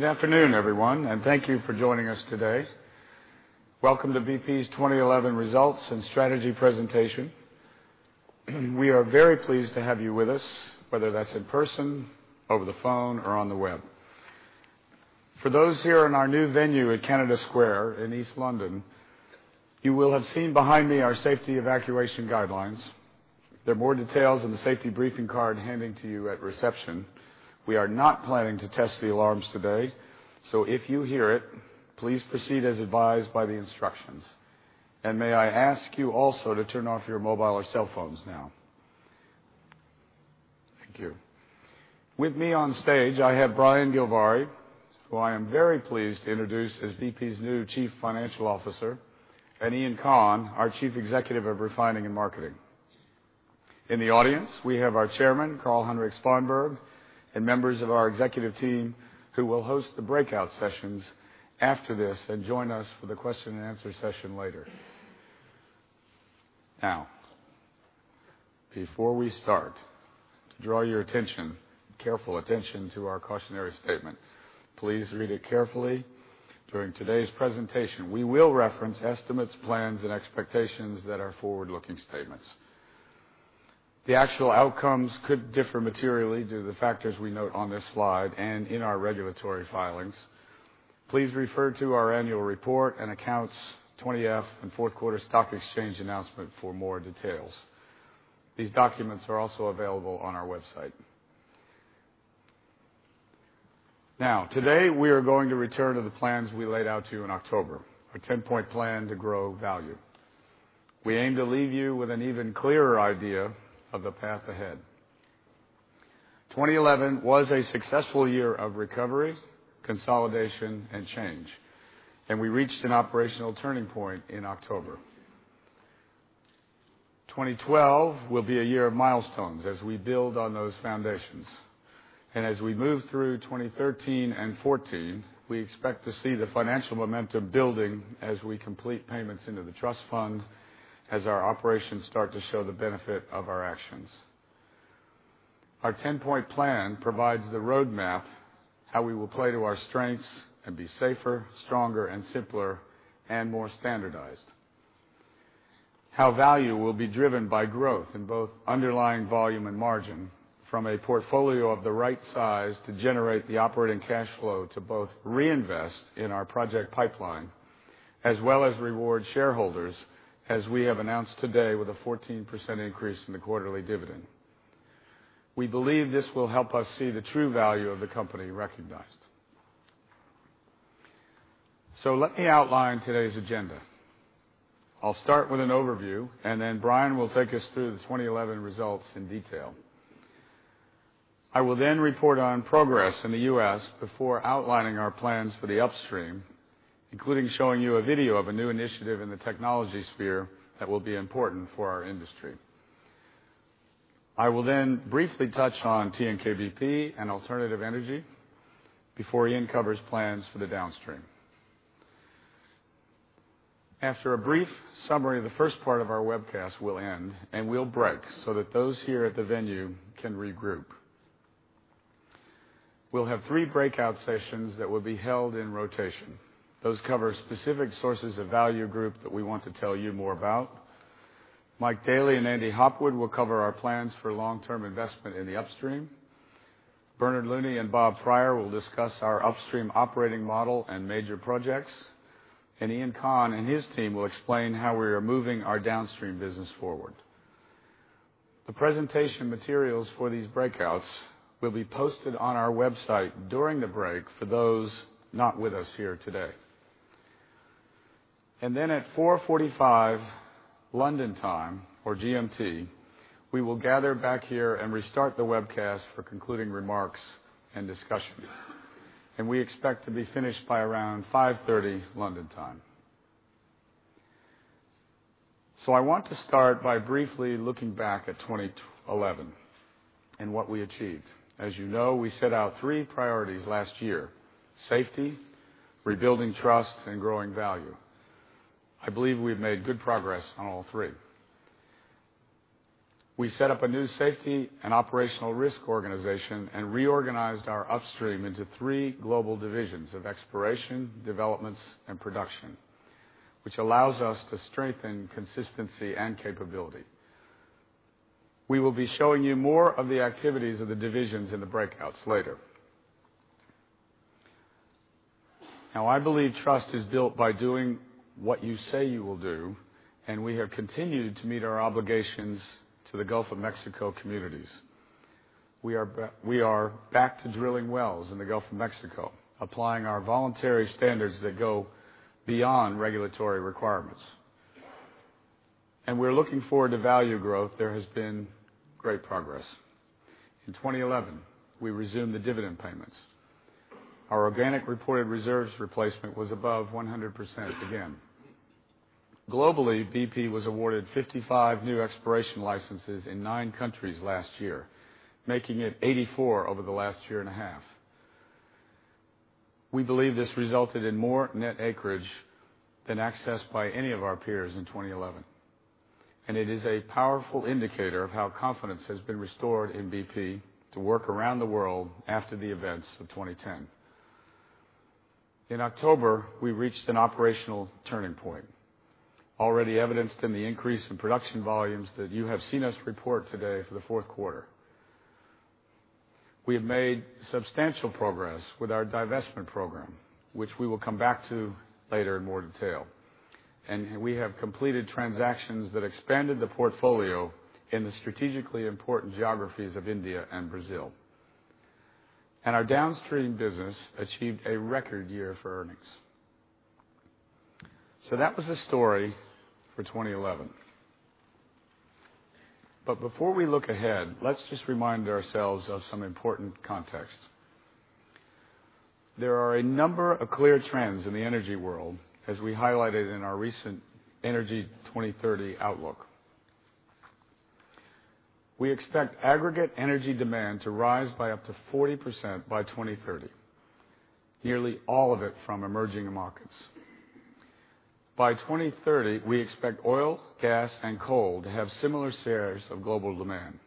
Good afternoon, everyone, and thank you for joining us today. Welcome to BP's 2011 Results and Strategy Presentation. We are very pleased to have you with us, whether that's in person, over the phone, or on the web. For those here in our new venue at Canada Square in East London, you will have seen behind me our safety evacuation guidelines. There are more details in the safety briefing card handed to you at reception. We are not planning to test the alarms today, so if you hear it, please proceed as advised by the instructions. May I ask you also to turn off your mobile or cell phones now? Thank you. With me on stage, I have Brian Gilvary, who I am very pleased to introduce as BP's new Chief Financial Officer, and Iain Conn, our Chief Executive of Refining and Marketing. In the audience, we have our Chairman, Carl-Henric Svanberg, and members of our executive team who will host the breakout sessions after this and join us for the question and answer session later. Now, before we start, I draw your careful attention to our cautionary statement. Please read it carefully. During today's presentation, we will reference estimates, plans, and expectations that are forward-looking statements. The actual outcomes could differ materially due to the factors we note on this slide and in our regulatory filings. Please refer to our Annual Report and Accounts 20-F and fourth quarter stock exchange announcement for more details. These documents are also available on our website. Today we are going to return to the plans we laid out to you in October, a 10-point plan to grow value. We aim to leave you with an even clearer idea of the path ahead. 2011 was a successful year of recovery, consolidation, and change, and we reached an operational turning point in October. 2012 will be a year of milestones as we build on those foundations. As we move through 2013 and 2014, we expect to see the financial momentum building as we complete payments into the trust fund, as our operations start to show the benefit of our actions. Our 10-point plan provides the roadmap, how we will play to our strengths and be safer, stronger, simpler, and more standardized. Value will be driven by growth in both underlying volume and margin, from a portfolio of the right size to generate the operating cash flow to both reinvest in our project pipeline as well as reward shareholders, as we have announced today with a 14% increase in the quarterly dividend. We believe this will help us see the true value of the company recognized. Let me outline today's agenda. I'll start with an overview, and then Brian will take us through the 2011 results in detail. I will then report on progress in the U.S. before outlining our plans for the upstream, including showing you a video of a new initiative in the technology sphere that will be important for our industry. I will then briefly touch on TNK-BP and alternative energy before Iain covers plans for the downstream. After a brief summary, the first part of our webcast will end, and we'll break so that those here at the venue can regroup. We'll have three breakout sessions that will be held in rotation. Those cover specific sources of value group that we want to tell you more about. Mike Daly and Andy Hopwood will cover our plans for long-term investment in the upstream. Bernard Looney and Bob Fryar will discuss our upstream operating model and major projects. Iain Conn and his team will explain how we are moving our downstream business forward. The presentation materials for these breakouts will be posted on our website during the break for those not with us here today. At 4:45 P.M. London time, or GMT, we will gather back here and restart the webcast for concluding remarks and discussion. We expect to be finished by around 5:30 P.M. London time. I want to start by briefly looking back at 2011 and what we achieved. As you know, we set out three priorities last year: safety, rebuilding trust, and growing value. I believe we've made good progress on all three. We set up a new safety and operational risk organization and reorganized our upstream into three global divisions of exploration, developments, and production, which allows us to strengthen consistency and capability. We will be showing you more of the activities of the divisions in the breakouts later. I believe trust is built by doing what you say you will do, and we have continued to meet our obligations to the Gulf of Mexico communities. We are back to drilling wells in the Gulf of Mexico, applying our voluntary standards that go beyond regulatory requirements. We're looking forward to value growth. There has been great progress. In 2011, we resumed the dividend payments. Our organic reported reserves replacement was above 100% again. Globally, BP was awarded 55 new exploration licenses in nine countries last year, making it 84 over the last year and a half. We believe this resulted in more net acreage than accessed by any of our peers in 2011. It is a powerful indicator of how confidence has been restored in BP to work around the world after the events of 2010. In October, we reached an operational turning point, already evidenced in the increase in production volumes that you have seen us report today for the fourth quarter. We have made substantial progress with our divestment program, which we will come back to later in more detail. We have completed transactions that expanded the portfolio in the strategically important geographies of India and Brazil. Our downstream business achieved a record year for earnings. That was the story for 2011. Before we look ahead, let's just remind ourselves of some important context. There are a number of clear trends in the energy world, as we highlighted in our recent Energy 2030 Outlook. We expect aggregate energy demand to rise by up to 40% by 2030, nearly all of it from emerging markets. By 2030, we expect oil, gas, and coal to have similar shares of global demand.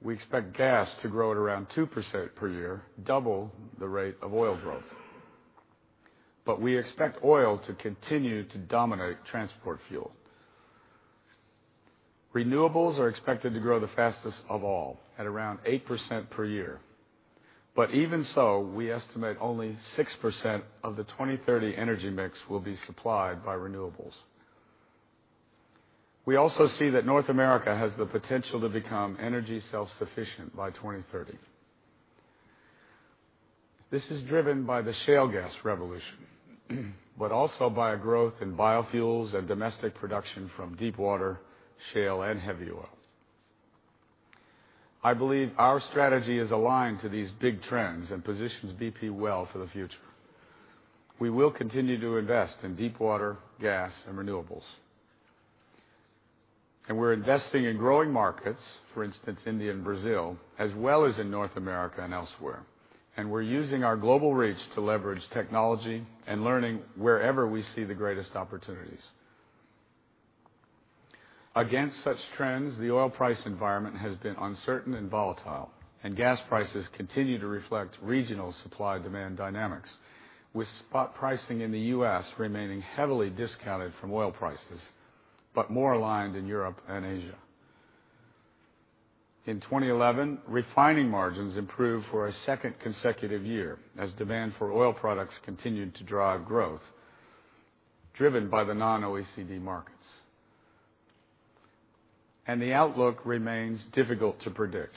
We expect gas to grow at around 2% per year, double the rate of oil growth. We expect oil to continue to dominate transport fuel. Renewables are expected to grow the fastest of all, at around 8% per year. Even so, we estimate only 6% of the 2030 energy mix will be supplied by renewables. We also see that North America has the potential to become energy self-sufficient by 2030. This is driven by the shale gas revolution, but also by a growth in biofuels and domestic production from deep water, shale, and heavy oil. I believe our strategy is aligned to these big trends and positions BP well for the future. We will continue to invest in deep water, gas, and renewables. We're investing in growing markets, for instance, India and Brazil, as well as in North America and elsewhere. We're using our global reach to leverage technology and learning wherever we see the greatest opportunities. Against such trends, the oil price environment has been uncertain and volatile, and gas prices continue to reflect regional supply-demand dynamics, with spot pricing in the U.S. remaining heavily discounted from oil prices, but more aligned in Europe and Asia. In 2011, refining margins improved for a second consecutive year as demand for oil products continued to drive growth, driven by the non-OECD markets. The outlook remains difficult to predict.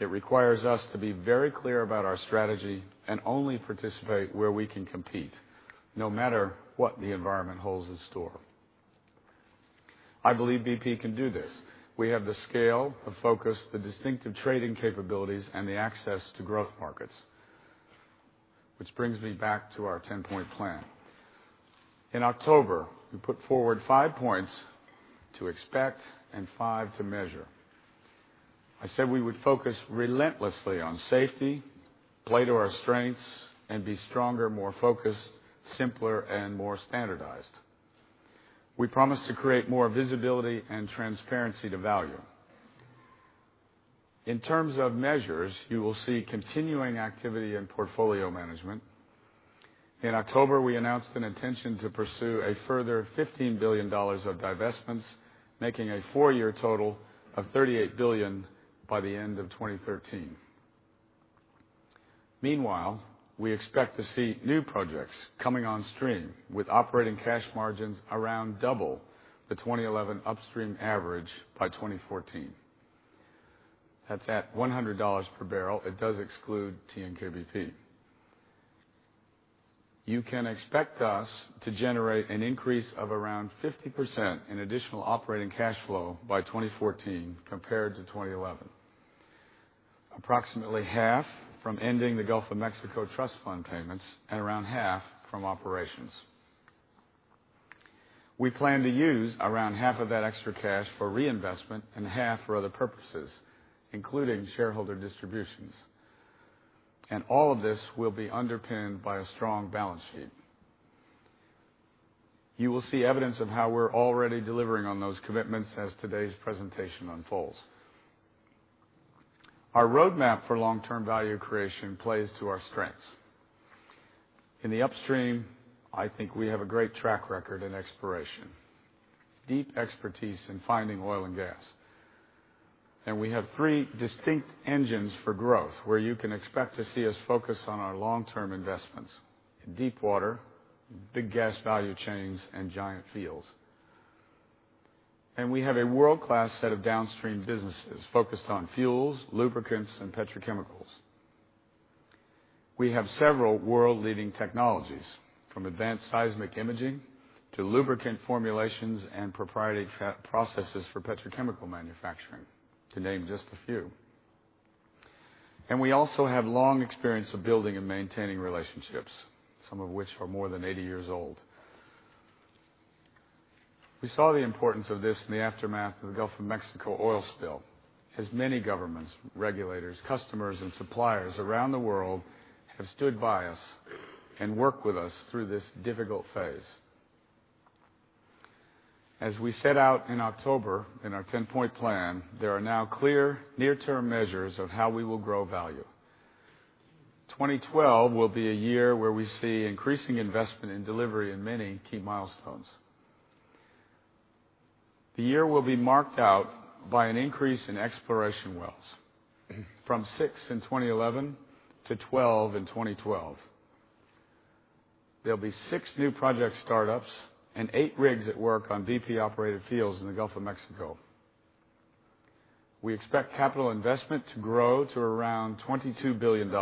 It requires us to be very clear about our strategy and only participate where we can compete, no matter what the environment holds in store. I believe BP can do this. We have the scale, the focus, the distinctive trading capabilities, and the access to growth markets, which brings me back to our 10-point plan. In October, we put forward five points to expect and five to measure. I said we would focus relentlessly on safety, play to our strengths, and be stronger, more focused, simpler, and more standardized. We promised to create more visibility and transparency to value. In terms of measures, you will see continuing activity in portfolio management. In October, we announced an intention to pursue a further $15 billion of divestments, making a four-year total of $38 billion by the end of 2013. Meanwhile, we expect to see new projects coming on stream with operating cash margins around double the 2011 upstream average by 2014. That's at $100 per barrel; it does exclude TNK-BP. You can expect us to generate an increase of around 50% in additional operating cash flow by 2014 compared to 2011, approximately half from ending the Gulf of Mexico trust fund payments and around half from operations. We plan to use around half of that extra cash for reinvestment and half for other purposes, including shareholder distributions. All of this will be underpinned by a strong balance sheet. You will see evidence of how we're already delivering on those commitments as today's presentation unfolds. Our roadmap for long-term value creation plays to our strengths. In the upstream, I think we have a great track record in exploration, deep expertise in finding oil and gas. We have three distinct engines for growth, where you can expect to see us focus on our long-term investments in deep water, big gas value chains, and giant fields. We have a world-class set of downstream businesses focused on fuels, lubricants, and petrochemicals. We have several world-leading technologies, from advanced seismic imaging to lubricant formulations and proprietary processes for petrochemical manufacturing, to name just a few. We also have long experience of building and maintaining relationships, some of which are more than 80 years old. We saw the importance of this in the aftermath of the Gulf of Mexico oil spill, as many governments, regulators, customers, and suppliers around the world have stood by us and worked with us through this difficult phase. As we set out in October in our 10-point plan, there are now clear near-term measures of how we will grow value. 2012 will be a year where we see increasing investment in delivery in many key milestones. The year will be marked out by an increase in exploration wells, from six in 2011 to 12 in 2012. There'll be six new project startups and eight rigs at work on BP-operated fields in the Gulf of Mexico. We expect capital investment to grow to around $22 billion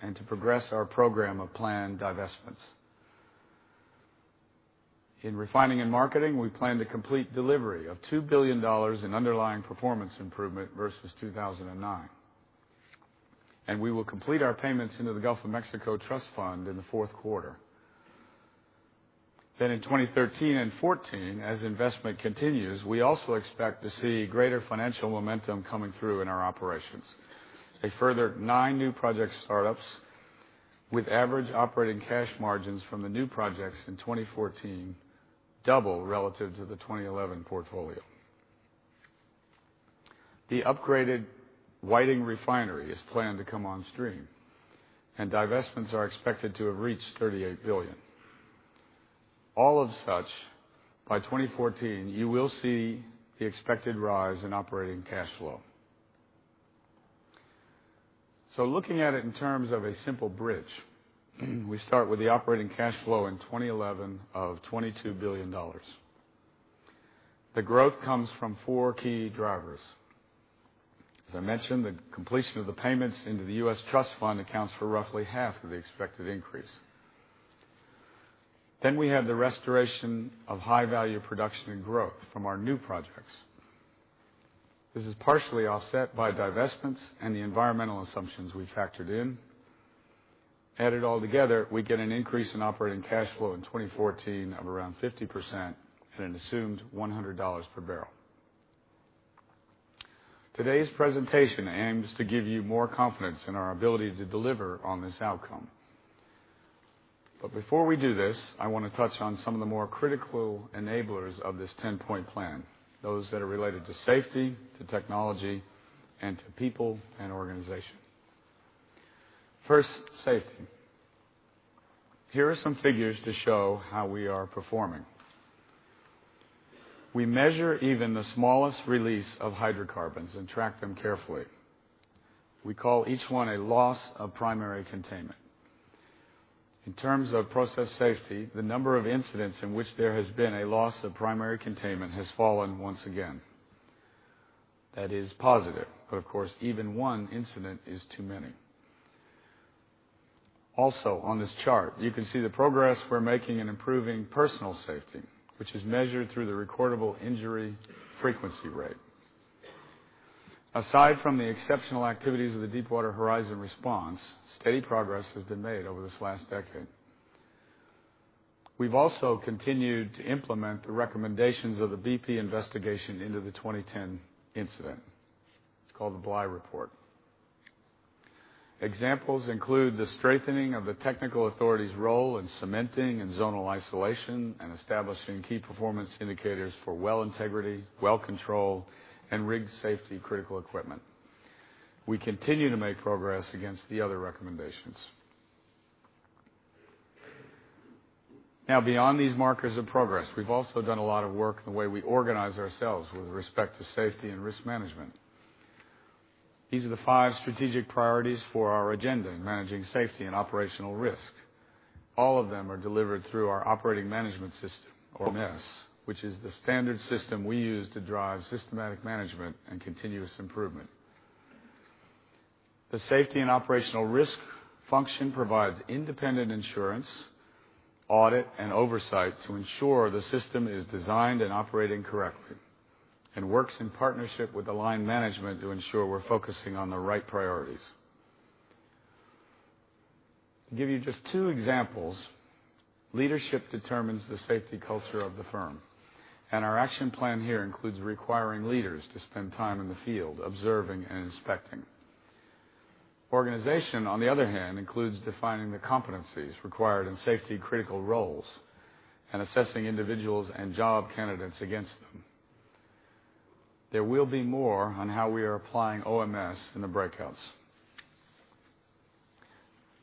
and to progress our program of planned divestments. In refining and marketing, we plan to complete delivery of $2 billion in underlying performance improvement versus 2009. We will complete our payments into the Gulf of Mexico trust fund in the fourth quarter. In 2013 and 2014, as investment continues, we also expect to see greater financial momentum coming through in our operations. A further nine new project startups with average operating cash margins from the new projects in 2014 double relative to the 2011 portfolio. The upgraded Whiting refinery is planned to come on stream, and divestments are expected to have reached $38 billion. All of such, by 2014, you will see the expected rise in operating cash flow. Looking at it in terms of a simple bridge, we start with the operating cash flow in 2011 of $22 billion. The growth comes from four key drivers. As I mentioned, the completion of the payments into the U.S. trust fund accounts for roughly half of the expected increase. We have the restoration of high-value production and growth from our new projects. This is partially offset by divestments and the environmental assumptions we factored in. Added all together, we get an increase in operating cash flow in 2014 of around 50% and an assumed $100 per barrel. Today's presentation aims to give you more confidence in our ability to deliver on this outcome. Before we do this, I want to touch on some of the more critical enablers of this 10-point plan, those that are related to safety, to technology, and to people and organizations. First, safety. Here are some figures to show how we are performing. We measure even the smallest release of hydrocarbons and track them carefully. We call each one a loss of primary containment. In terms of process safety, the number of incidents in which there has been a loss of primary containment has fallen once again. That is positive, but of course, even one incident is too many. Also, on this chart, you can see the progress we're making in improving personal safety, which is measured through the recordable injury frequency rate. Aside from the exceptional activities of the Deepwater Horizon response, steady progress has been made over this last decade. We've also continued to implement the recommendations of the BP investigation into the 2010 incident. It's called the Bly Report. Examples include the strengthening of the technical authority's role in cementing and zonal isolation, and establishing key performance indicators for well integrity, well control, and rig safety critical equipment. We continue to make progress against the other recommendations. Now, beyond these markers of progress, we've also done a lot of work in the way we organize ourselves with respect to safety and risk management. These are the five strategic priorities for our agenda in managing safety and operational risk. All of them are delivered through our operating management system, or OMS, which is the standard system we use to drive systematic management and continuous improvement. The safety and operational risk function provides independent assurance, audit, and oversight to ensure the system is designed and operating correctly and works in partnership with the line management to ensure we're focusing on the right priorities. I'll give you just two examples. Leadership determines the safety culture of the firm, and our action plan here includes requiring leaders to spend time in the field observing and inspecting. Organization, on the other hand, includes defining the competencies required in safety critical roles and assessing individuals and job candidates against them. There will be more on how we are applying OMS in the breakouts.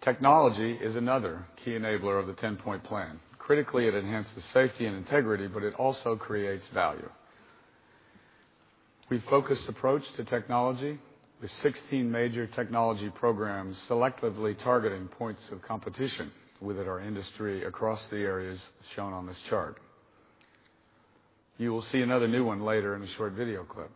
Technology is another key enabler of the 10-point plan. Critically, it enhances safety and integrity, but it also creates value. We focused approach to technology, the 16 major technology programs selectively targeting points of competition within our industry across the areas shown on this chart. You will see another new one later in a short video clip.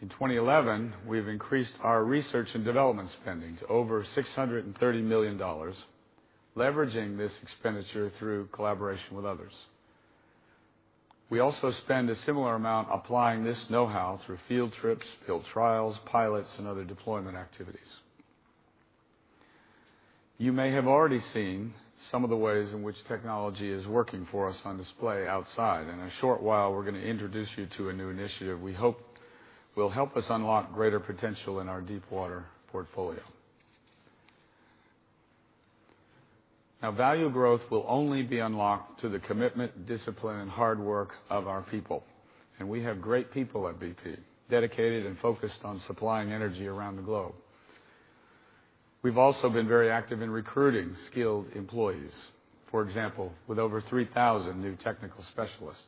In 2011, we've increased our research and development spending to over $630 million, leveraging this expenditure through collaboration with others. We also spend a similar amount applying this know-how through field trips, field trials, pilots, and other deployment activities. You may have already seen some of the ways in which technology is working for us on display outside. In a short while, we're going to introduce you to a new initiative we hope will help us unlock greater potential in our Deepwater portfolio. Value growth will only be unlocked through the commitment, discipline, and hard work of our people. We have great people at BP, dedicated and focused on supplying energy around the globe. We've also been very active in recruiting skilled employees, for example, with over 3,000 new technical specialists.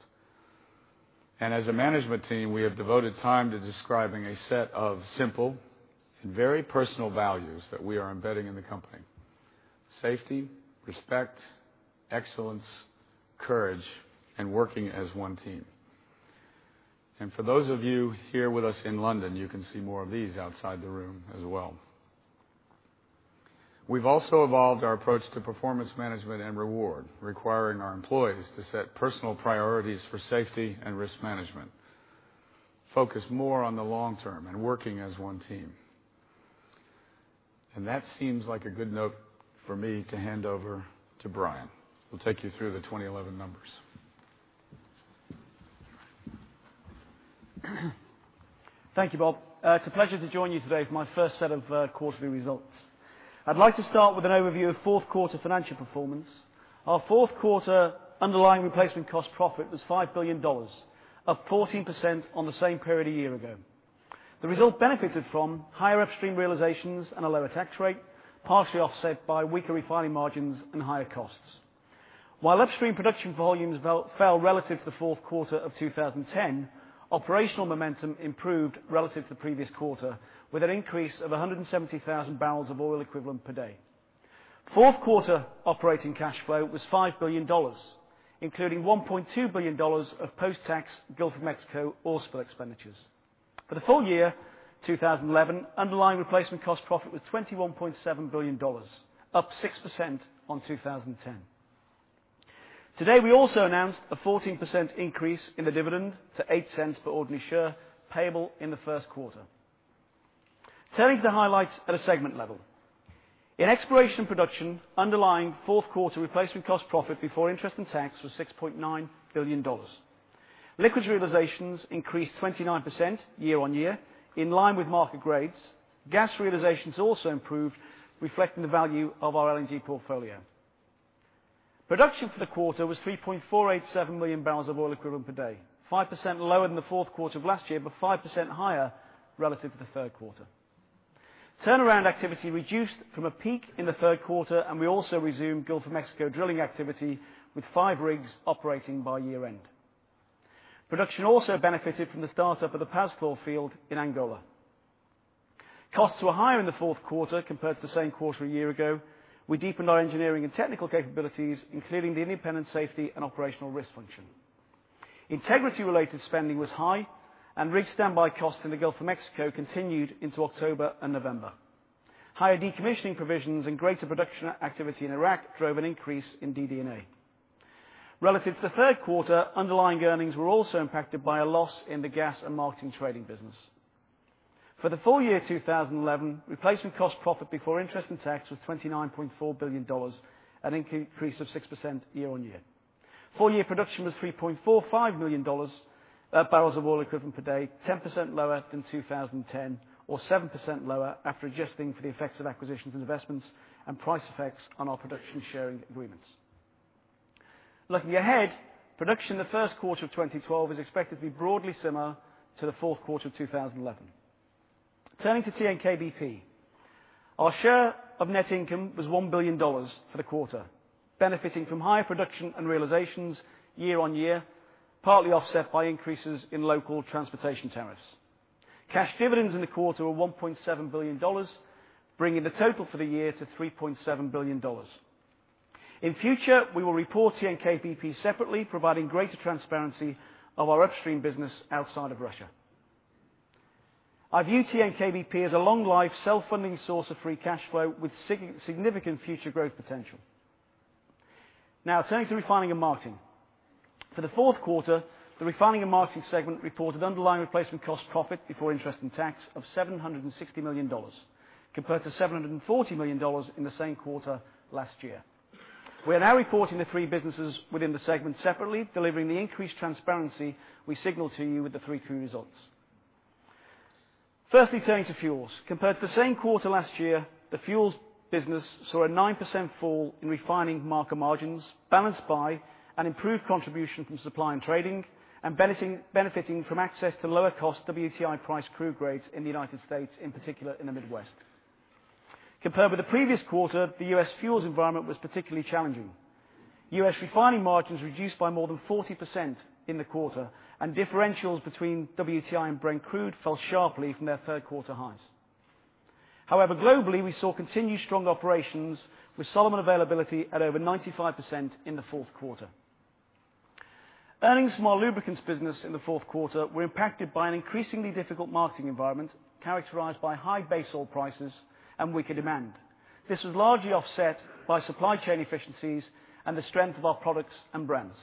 As a management team, we have devoted time to describing a set of simple and very personal values that we are embedding in the company: safety, respect, excellence, courage, and working as one team. For those of you here with us in London, you can see more of these outside the room as well. We've also evolved our approach to performance management and reward, requiring our employees to set personal priorities for safety and risk management, focus more on the long term and working as one team. That seems like a good note for me to hand over to Brian. He'll take you through the 2011 numbers. Thank you, Bob. It's a pleasure to join you today for my first set of quarterly results. I'd like to start with an overview of fourth quarter financial performance. Our fourth quarter underlying replacement cost profit was $5 billion, up 14% on the same period a year ago. The result benefited from higher upstream realizations and a lower tax rate, partially offset by weaker refining margins and higher costs. While upstream production volumes fell relative to the fourth quarter of 2010, operational momentum improved relative to the previous quarter with an increase of 170,000 bbl of oil equivalent per day. Fourth quarter operating cash flow was $5 billion, including $1.2 billion of post-tax Gulf of Mexico oil spill expenditures. For the full year 2011, underlying replacement cost profit was $21.7 billion, up 6% on 2010. Today, we also announced a 14% increase in the dividend to $0.08 per ordinary share payable in the first quarter. Turning to the highlights at a segment level, in exploration production, underlying fourth quarter replacement cost profit before interest and tax was $6.9 billion. Liquid realizations increased 29% year-on-year, in line with market grades. Gas realizations also improved, reflecting the value of our LNG portfolio. Production for the quarter was 3.487 million bbl of oil equivalent per day, 5% lower than the fourth quarter of last year, but 5% higher relative to the third quarter. Turnaround activity reduced from a peak in the third quarter, and we also resumed Gulf of Mexico drilling activity with five rigs operating by year end. Production also benefited from the startup of the PASCAL field in Angola. Costs were higher in the fourth quarter compared to the same quarter a year ago. We deepened our engineering and technical capabilities, including the independent safety and operational risk function. Integrity-related spending was high, and rig standby costs in the Gulf of Mexico continued into October and November. Higher decommissioning provisions and greater production activity in Iraq drove an increase in DDNA. Relative to the third quarter, underlying earnings were also impacted by a loss in the gas and marketing trading business. For the full year 2011, replacement cost profit before interest and tax was $29.4 billion, an increase of 6% year-on-year. Full-year production was $3.45 million. That's barrels of oil equivalent per day, 10% lower than 2010, or 7% lower after adjusting for the effects of acquisitions and investments and price effects on our production sharing agreements. Looking ahead, production in the first quarter of 2012 is expected to be broadly similar to the fourth quarter of 2011. Turning to TNK-BP, our share of net income was $1 billion for the quarter, benefiting from high production and realizations year-on-year, partly offset by increases in local transportation tariffs. Cash dividends in the quarter were $1.7 billion, bringing the total for the year to $3.7 billion. In future, we will report TNK-BP separately, providing greater transparency of our upstream business outside of Russia. I view TNK-BP as a long-lived self-funding source of free cash flow with significant future growth potential. Now, turning to refining and marketing, for the fourth quarter, the refining and marketing segment reported underlying replacement cost profit before interest and tax of $760 million, compared to $740 million in the same quarter last year. We are now reporting the three businesses within the segment separately, delivering the increased transparency we signaled to you with the 3Q results. Firstly, turning to fuels, compared to the same quarter last year, the fuels business saw a 9% fall in refining market margins, balanced by an improved contribution from supply and trading, and benefiting from access to lower-cost WTI price crude grades in the United States, in particular in the Midwest. Compared with the previous quarter, the U.S. fuels environment was particularly challenging. U.S. refining margins reduced by more than 40% in the quarter, and differentials between WTI and Brent crude fell sharply from their third-quarter highs. However, globally, we saw continued strong operations with [some] availability at over 95% in the fourth quarter. Earnings from our lubricants business in the fourth quarter were impacted by an increasingly difficult marketing environment characterized by high base oil prices and weaker demand. This was largely offset by supply chain efficiencies and the strength of our products and brands.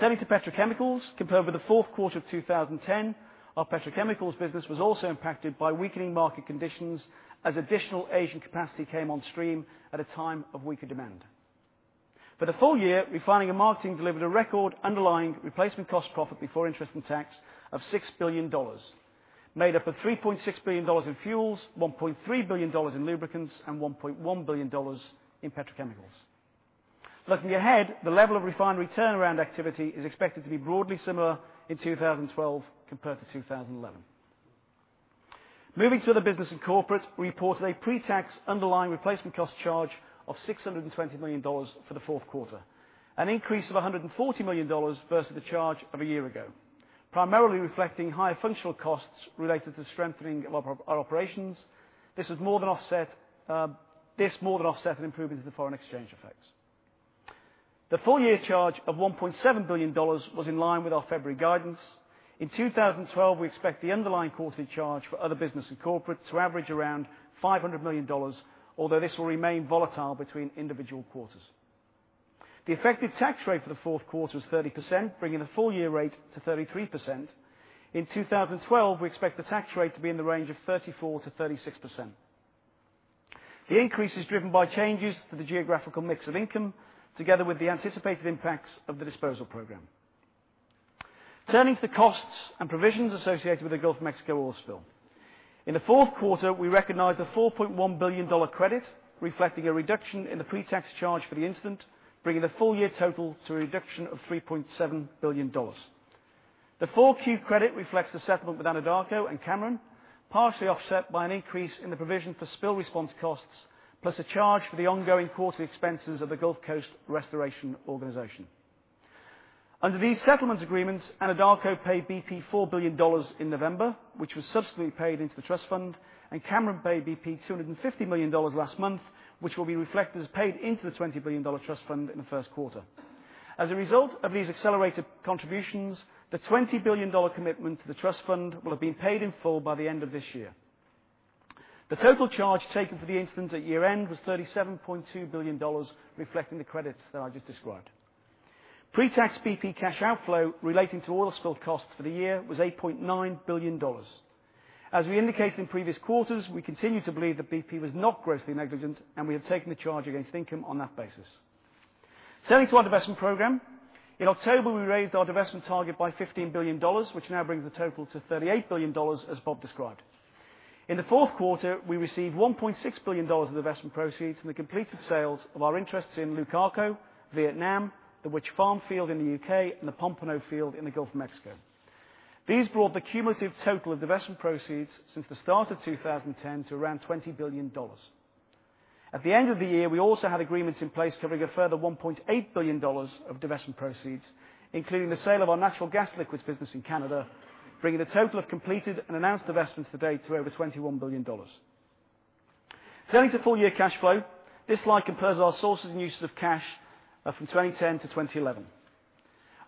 Turning to petrochemicals, compared with the fourth quarter of 2010, our petrochemicals business was also impacted by weakening market conditions as additional Asian capacity came on stream at a time of weaker demand. For the full year, refining and marketing delivered a record underlying replacement cost profit before interest and tax of $6 billion, made up of $3.6 billion in fuels, $1.3 billion in lubricants, and $1.1 billion in petrochemicals. Looking ahead, the level of refinery turnaround activity is expected to be broadly similar in 2012 compared to 2011. Moving to the business and corporate, we reported a pre-tax underlying replacement cost charge of $620 million for the fourth quarter, an increase of $140 million versus the charge of a year ago, primarily reflecting higher functional costs related to strengthening our operations. This was more than offset by an improvement in the foreign exchange effects. The full-year charge of $1.7 billion was in line with our February guidance. In 2012, we expect the underlying quarterly charge for other business and corporate to average around $500 million, although this will remain volatile between individual quarters. The effective tax rate for the fourth quarter is 30%, bringing the full-year rate to 33%. In 2012, we expect the tax rate to be in the range of 34%-36%. The increase is driven by changes to the geographical mix of income, together with the anticipated impacts of the disposal program. Turning to the costs and provisions associated with the Gulf of Mexico oil spill, in the fourth quarter, we recognized a $4.1 billion credit, reflecting a reduction in the pre-tax charge for the incident, bringing the full-year total to a reduction of $3.7 billion. The fourth quarter credit reflects the settlement with Anadarko and Cameron, partially offset by an increase in the provision for spill response costs, plus a charge for the ongoing quarterly expenses of the Gulf Coast Restoration Organization. Under these settlement agreements, Anadarko paid BP $4 billion in November, which was subsequently paid into the trust fund, and Cameron paid BP $250 million last month, which will be reflected as paid into the $20 billion trust fund in the first quarter. As a result of these accelerated contributions, the $20 billion commitment to the trust fund will have been paid in full by the end of this year. The total charge taken for the incident at year end was $37.2 billion, reflecting the credits that I just described. Pre-tax BP cash outflow relating to oil spill costs for the year was $8.9 billion. As we indicated in previous quarters, we continue to believe that BP was not grossly negligent, and we have taken the charge against income on that basis. Turning to our divestment program, in October, we raised our divestment target by $15 billion, which now brings the total to $38 billion, as Bob described. In the fourth quarter, we received $1.6 billion of divestment proceeds from the completed sales of our interests in Lukako, Vietnam, the Wytch Farm field in the U.K., and the Pompano field in the Gulf of Mexico. These brought the cumulative total of divestment proceeds since the start of 2010 to around $20 billion. At the end of the year, we also had agreements in place covering a further $1.8 billion of divestment proceeds, including the sale of our natural gas liquids business in Canada, bringing the total of completed and announced divestments to date to over $21 billion. Turning to full-year cash flow, this slide compares our sources and uses of cash from 2010-2011.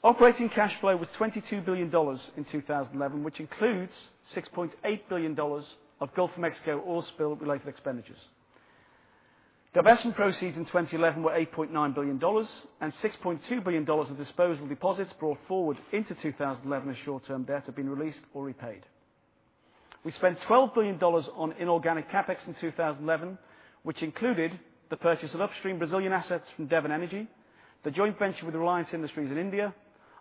Operating cash flow was $22 billion in 2011, which includes $6.8 billion of Gulf of Mexico oil spill-related expenditures. Divestment proceeds in 2011 were $8.9 billion, and $6.2 billion of disposal deposits brought forward into 2011 as short-term debt had been released or repaid. We spent $12 billion on inorganic CapEx in 2011, which included the purchase of upstream Brazilian assets from Devon Energy, the joint venture with Reliance Industries in India,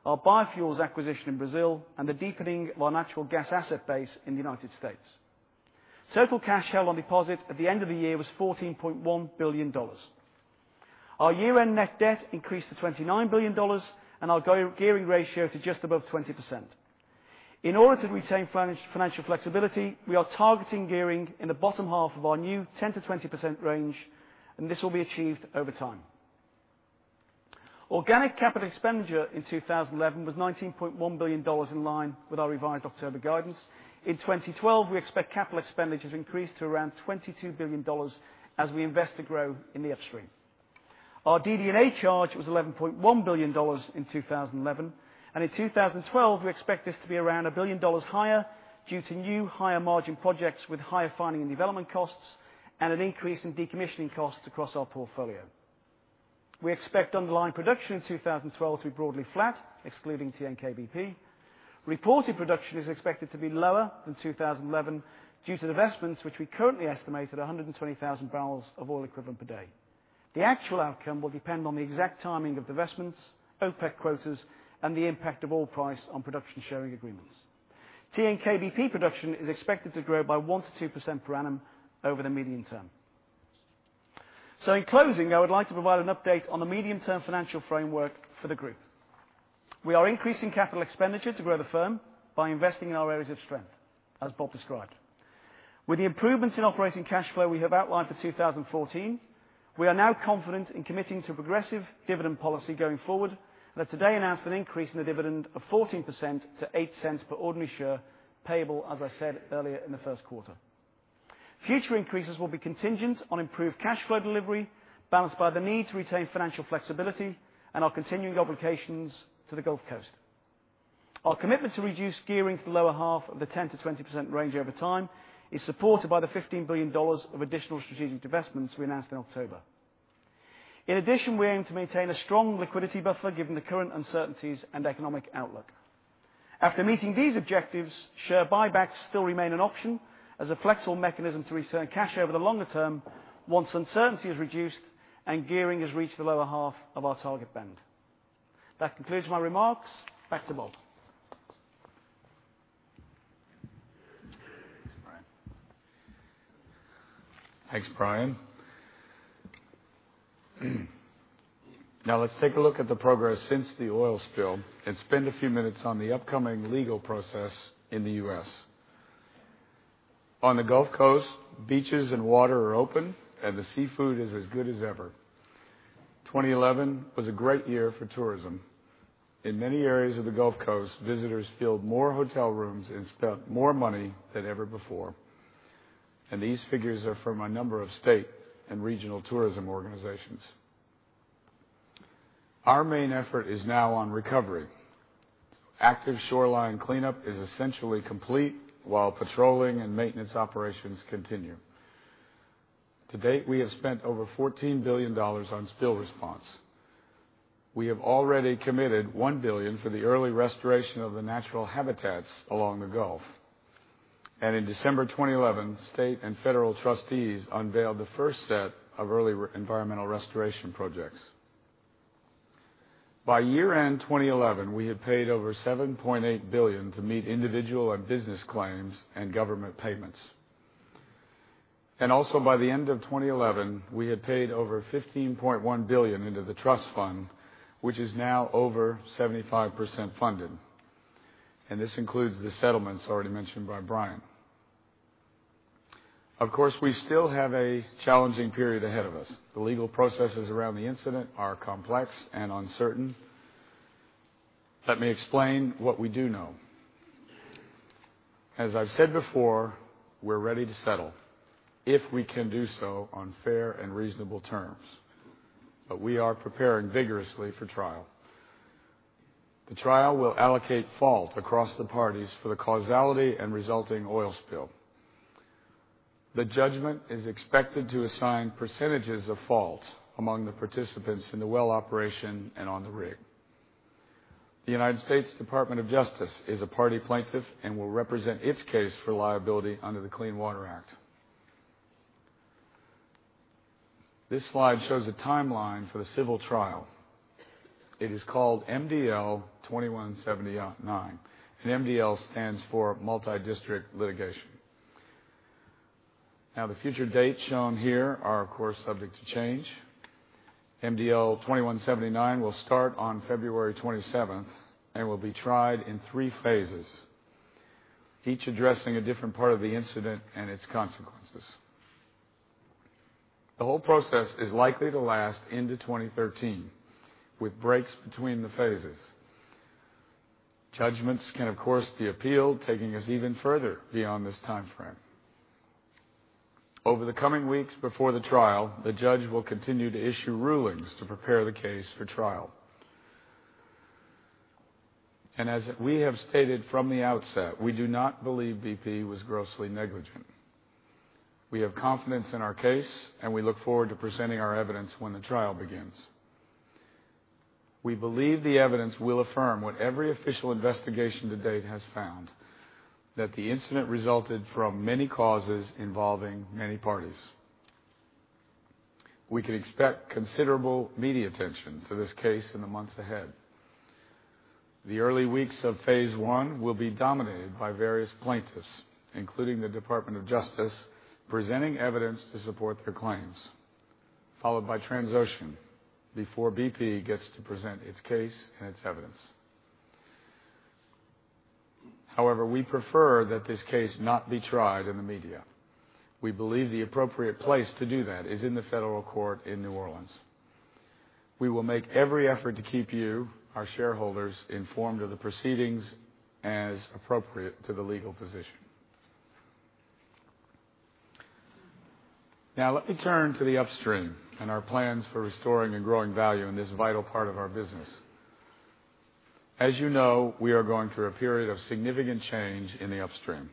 our biofuels acquisition in Brazil, and the deepening of our natural gas asset base in the United States. Total cash held on deposit at the end of the year was $14.1 billion. Our year-end net debt increased to $29 billion, and our gearing ratio to just above 20%. In order to retain financial flexibility, we are targeting gearing in the bottom half of our new 10%-20% range, and this will be achieved over time. Organic capital expenditure in 2011 was $19.1 billion, in line with our revised October guidance. In 2012, we expect capital expenditure to increase to around $22 billion as we invest to grow in the upstream. Our DD&A charge was $11.1 billion in 2011, and in 2012, we expect this to be around $1 billion higher due to new higher margin projects with higher finding and development costs and an increase in decommissioning costs across our portfolio. We expect underlying production in 2012 to be broadly flat, excluding TNK-BP. Reported production is expected to be lower than 2011 due to divestments, which we currently estimate at 120,000 bbl of oil equivalent per day. The actual outcome will depend on the exact timing of divestments, OPEC quotas, and the impact of oil price on production sharing agreements. TNK-BP production is expected to grow by 1%-2% per annum over the medium term. In closing, I would like to provide an update on the medium-term financial framework for the group. We are increasing capital expenditure to grow the firm by investing in our areas of strength, as Bob described. With the improvements in operating cash flow we have outlined for 2014, we are now confident in committing to a progressive dividend policy going forward, and have today announced an increase in the dividend of 14% to $0.08 per ordinary share payable, as I said earlier, in the first quarter. Future increases will be contingent on improved cash flow delivery, balanced by the need to retain financial flexibility and our continuing obligations to the Gulf Coast. Our commitment to reduce gearing to the lower half of the 10%-20% range over time is supported by the $15 billion of additional strategic divestments we announced in October. In addition, we aim to maintain a strong liquidity buffer given the current uncertainties and economic outlook. After meeting these objectives, share buybacks still remain an option as a flexible mechanism to return cash over the longer term once uncertainty is reduced and gearing has reached the lower half of our target band. That concludes my remarks. Back to Bob. Thanks, Brian. Now let's take a look at the progress since the oil spill and spend a few minutes on the upcoming legal process in the U.S. On the Gulf Coast, beaches and water are open, and the seafood is as good as ever. 2011 was a great year for tourism. In many areas of the Gulf Coast, visitors filled more hotel rooms and spent more money than ever before. These figures are from a number of state and regional tourism organizations. Our main effort is now on recovery. Active shoreline cleanup is essentially complete, while patrolling and maintenance operations continue. To date, we have spent over $14 billion on spill response. We have already committed $1 billion for the early restoration of the natural habitats along the Gulf. In December 2011, state and federal trustees unveiled the first set of early environmental restoration projects. By year-end 2011, we had paid over $7.8 billion to meet individual and business claims and government payments. By the end of 2011, we had paid over $15.1 billion into the trust fund, which is now over 75% funded. This includes the settlements already mentioned by Brian. Of course, we still have a challenging period ahead of us. The legal processes around the incident are complex and uncertain. Let me explain what we do know. As I've said before, we're ready to settle if we can do so on fair and reasonable terms. We are preparing vigorously for trial. The trial will allocate fault across the parties for the causality and resulting oil spill. The judgment is expected to assign percentages of fault among the participants in the well operation and on the rig. The United States Department of Justice is a party plaintiff and will represent its case for liability under the Clean Water Act. This slide shows a timeline for the civil trial. It is called MDL 2179. MDL stands for multi-district litigation. The future dates shown here are, of course, subject to change. MDL 2179 will start on February 27th and will be tried in three phases, each addressing a different part of the incident and its consequences. The whole process is likely to last into 2013, with breaks between the phases. Judgments can, of course, be appealed, taking us even further beyond this time frame. Over the coming weeks before the trial, the judge will continue to issue rulings to prepare the case for trial. As we have stated from the outset, we do not believe BP was grossly negligent. We have confidence in our case, and we look forward to presenting our evidence when the trial begins. We believe the evidence will affirm what every official investigation to date has found, that the incident resulted from many causes involving many parties. We can expect considerable media attention to this case in the months ahead. The early weeks of phase one will be dominated by various plaintiffs, including the Department of Justice, presenting evidence to support their claims, followed by Transocean before BP gets to present its case and its evidence. However, we prefer that this case not be tried in the media. We believe the appropriate place to do that is in the federal court in New Orleans. We will make every effort to keep you, our shareholders, informed of the proceedings as appropriate to the legal position. Now, let me turn to the upstream and our plans for restoring and growing value in this vital part of our business. As you know, we are going through a period of significant change in the upstream.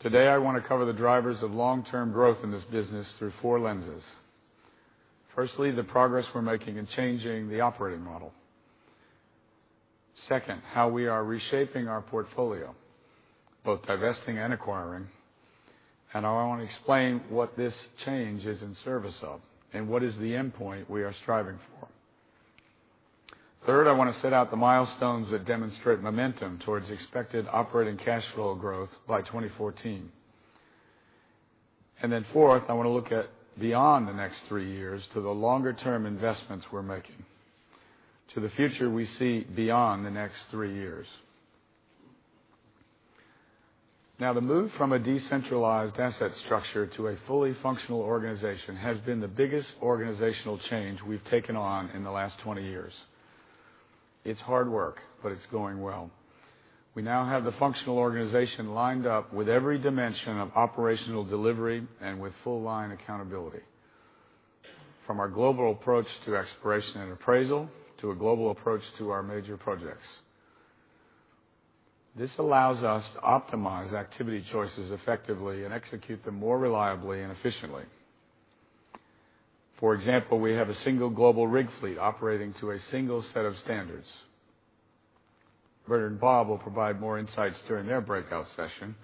Today, I want to cover the drivers of long-term growth in this business through four lenses. Firstly, the progress we're making in changing the operating model. Second, how we are reshaping our portfolio, both divesting and acquiring. I want to explain what this change is in service of and what is the endpoint we are striving for. Third, I want to set out the milestones that demonstrate momentum towards expected operating cash flow growth by 2014. Fourth, I want to look at beyond the next three years to the longer-term investments we're making, to the future we see beyond the next three years. Now, the move from a decentralized asset structure to a fully functional organization has been the biggest organizational change we've taken on in the last 20 years. It's hard work, but it's going well. We now have the functional organization lined up with every dimension of operational delivery and with full-line accountability, from our global approach to exploration and appraisal to a global approach to our major projects. This allows us to optimize activity choices effectively and execute them more reliably and efficiently. For example, we have a single global rig fleet operating to a single set of standards. Bernard and Bob will provide more insights during their breakout session.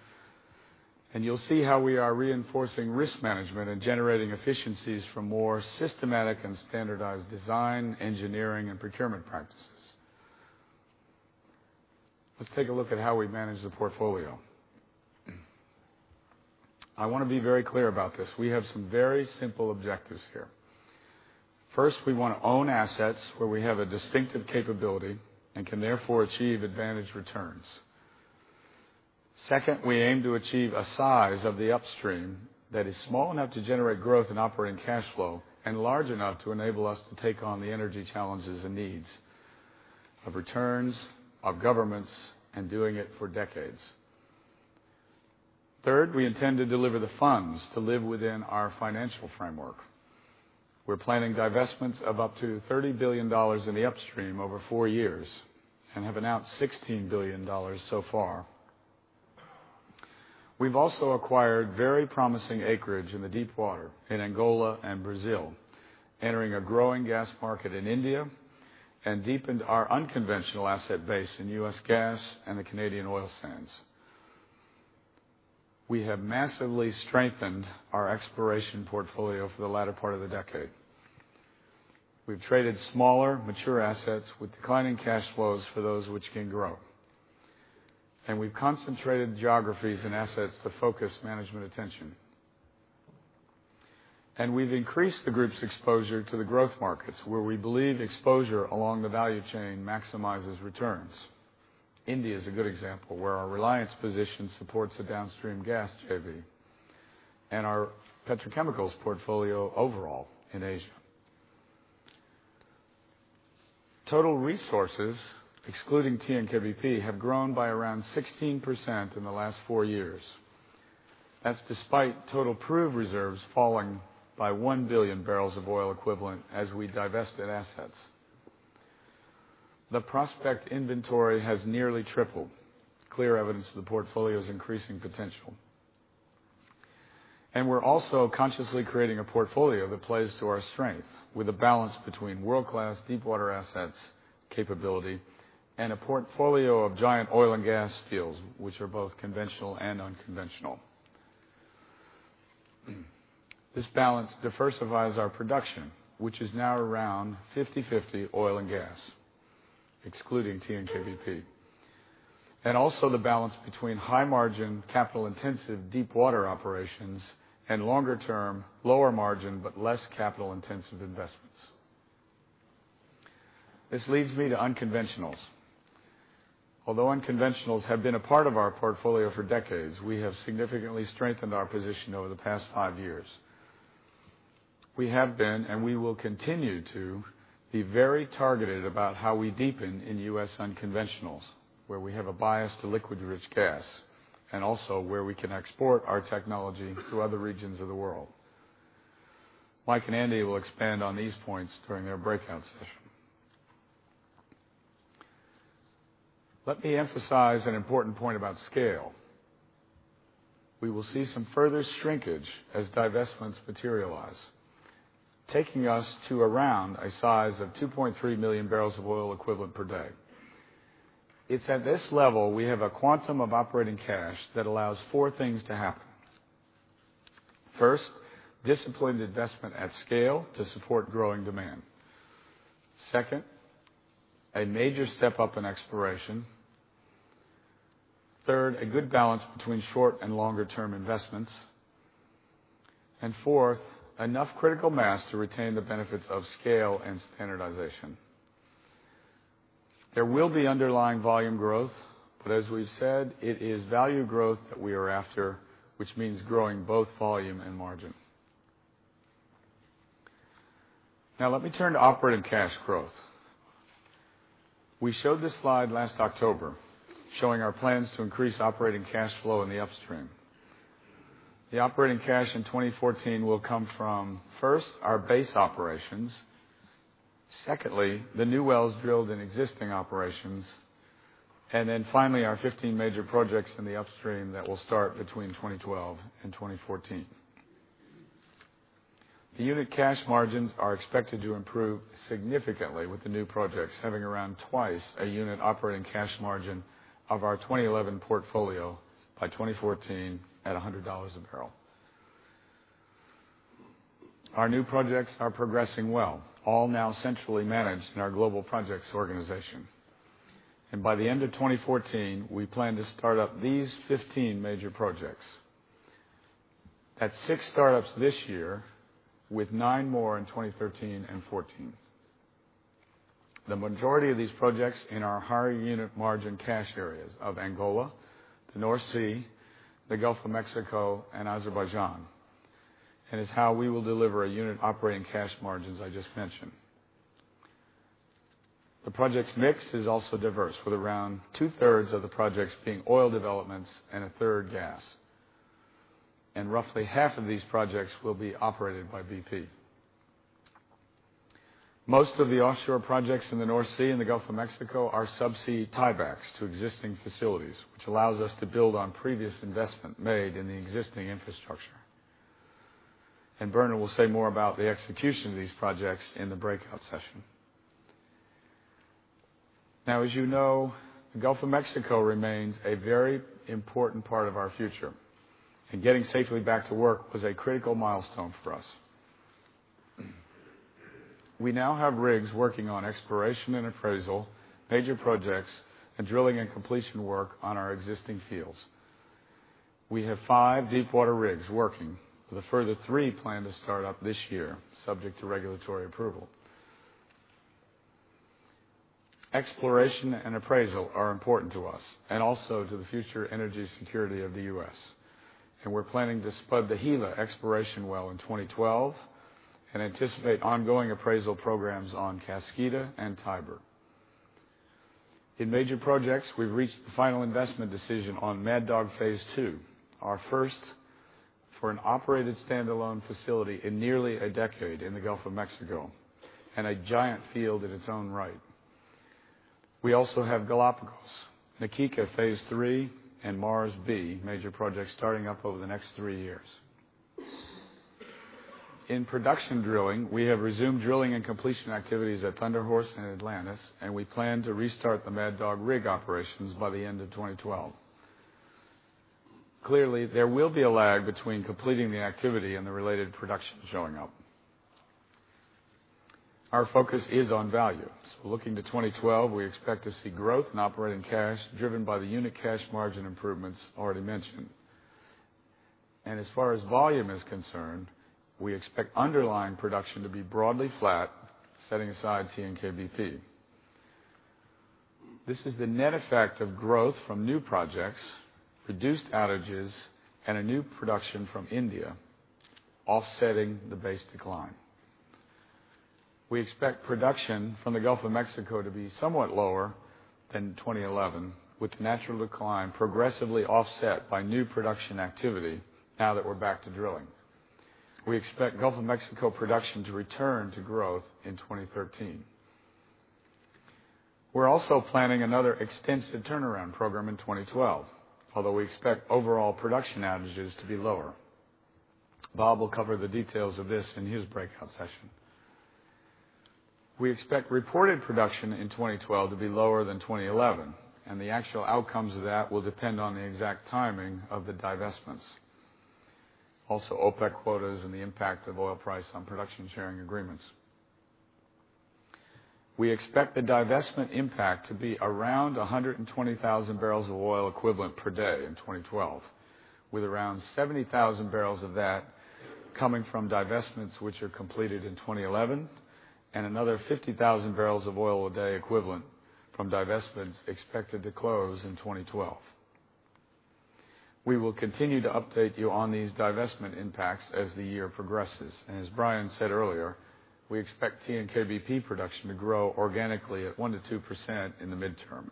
You will see how we are reinforcing risk management and generating efficiencies from more systematic and standardized design, engineering, and procurement practices. Let's take a look at how we manage the portfolio. I want to be very clear about this. We have some very simple objectives here. First, we want to own assets where we have a distinctive capability and can therefore achieve advantaged returns. Second, we aim to achieve a size of the upstream that is small enough to generate growth in operating cash flow and large enough to enable us to take on the energy challenges and needs of returns, of governments, and doing it for decades. Third, we intend to deliver the funds to live within our financial framework. We're planning divestments of up to $30 billion in the upstream over four years and have announced $16 billion so far. We've also acquired very promising acreage in the deep water in Angola and Brazil, entering a growing gas market in India, and deepened our unconventional asset base in U.S. gas and the Canadian oil sands. We have massively strengthened our exploration portfolio for the latter part of the decade. We have traded smaller, mature assets with declining cash flows for those which can grow. We have concentrated geographies and assets to focus management attention. We have increased the group's exposure to the growth markets, where we believe exposure along the value chain maximizes returns. India is a good example, where our Reliance position supports the downstream gas JV and our petrochemicals portfolio overall in Asia. Total resources, excluding TNK-BP, have grown by around 16% in the last four years. That is despite total proved reserves falling by 1 billion bbl of oil equivalent as we divested assets. The prospect inventory has nearly tripled, clear evidence of the portfolio's increasing potential. We are also consciously creating a portfolio that plays to our strength, with a balance between world-class deepwater assets capability and a portfolio of giant oil and gas fields, which are both conventional and unconventional. This balance diversifies our production, which is now around 50/50 oil and gas, excluding TNK-BP, and also the balance between high-margin, capital-intensive deepwater operations and longer-term, lower-margin, but less capital-intensive investments. This leads me to unconventionals. Although unconventionals have been a part of our portfolio for decades, we have significantly strengthened our position over the past five years. We have been, and we will continue to be, very targeted about how we deepen in U.S. unconventionals, where we have a bias to liquid-rich gas and also where we can export our technology to other regions of the world. Mike and Andy will expand on these points during their breakouts. Let me emphasize an important point about scale. We will see some further shrinkage as divestments materialize, taking us to around a size of 2.3 million bbl of oil equivalent per day. It's at this level we have a quantum of operating cash that allows four things to happen. First, disciplined investment at scale to support growing demand. Second, a major step up in exploration. Third, a good balance between short and longer-term investments. Fourth, enough critical mass to retain the benefits of scale and standardization. There will be underlying volume growth, but as we've said, it is value growth that we are after, which means growing both volume and margin. Now, let me turn to operating cash growth. We showed this slide last October, showing our plans to increase operating cash flow in the upstream. The operating cash in 2014 will come from, first, our base operations, secondly, the new wells drilled in existing operations, and then finally, our 15 major projects in the upstream that will start between 2012 and 2014. The unit cash margins are expected to improve significantly with the new projects having around twice a unit operating cash margin of our 2011 portfolio by 2014 at $100 a barrel. Our new projects are progressing well, all now centrally managed in our global projects organization. By the end of 2014, we plan to start up these 15 major projects. That's six startups this year, with nine more in 2013 and 2014. The majority of these projects are in our higher unit margin cash areas of Angola, the North Sea, the Gulf of Mexico, and Azerbaijan, and is how we will deliver a unit operating cash margins I just mentioned. The project's mix is also diverse, with around 2/3 of the projects being oil developments and 1/3 gas. Roughly half of these projects will be operated by BP. Most of the offshore projects in the North Sea and the Gulf of Mexico are subsea tiebacks to existing facilities, which allows us to build on previous investment made in the existing infrastructure. Bernard will say more about the execution of these projects in the breakout session. As you know, the Gulf of Mexico remains a very important part of our future, and getting safely back to work was a critical milestone for us. We now have rigs working on exploration and appraisal, major projects, and drilling and completion work on our existing fields. We have five deepwater rigs working, with a further three planned to start up this year, subject to regulatory approval. Exploration and appraisal are important to us and also to the future energy security of the U.S. We are planning to spud the Gila exploration well in 2012 and anticipate ongoing appraisal programs on Kaskida and Tiber. In major projects, we've reached the final investment decision on Mad Dog Phase Two, our first for an operated standalone facility in nearly a decade in the Gulf of Mexico and a giant field in its own right. We also have Galapagos, Na Kika Phase Three, and Mars B major projects starting up over the next three years. In production drilling, we have resumed drilling and completion activities at Thunder Horse and Atlantis, and we plan to restart the Mad Dog rig operations by the end of 2012. Clearly, there will be a lag between completing the activity and the related production showing up. Our focus is on value. Looking to 2012, we expect to see growth in operating cash driven by the unit cash margin improvements already mentioned. As far as volume is concerned, we expect underlying production to be broadly flat, setting aside TNK-BP. This is the net effect of growth from new projects, reduced outages, and new production from India, offsetting the base decline. We expect production from the Gulf of Mexico to be somewhat lower than 2011, with natural decline progressively offset by new production activity now that we're back to drilling. We expect Gulf of Mexico production to return to growth in 2013. We are also planning another extensive turnaround program in 2012, although we expect overall production outages to be lower. Bob will cover the details of this in his breakout session. We expect reported production in 2012 to be lower than 2011, and the actual outcomes of that will depend on the exact timing of the divestments, OPEC quotas, and the impact of oil price on production sharing agreements. We expect the divestment impact to be around 120,000 bbl of oil equivalent per day in 2012, with around 70,000 bbl of that coming from divestments which are completed in 2011 and another 50,000 bbl of oil equivalent per day from divestments expected to close in 2012. We will continue to update you on these divestment impacts as the year progresses. As Brian said earlier, we expect TNK-BP production to grow organically at 1%-2% in the midterm.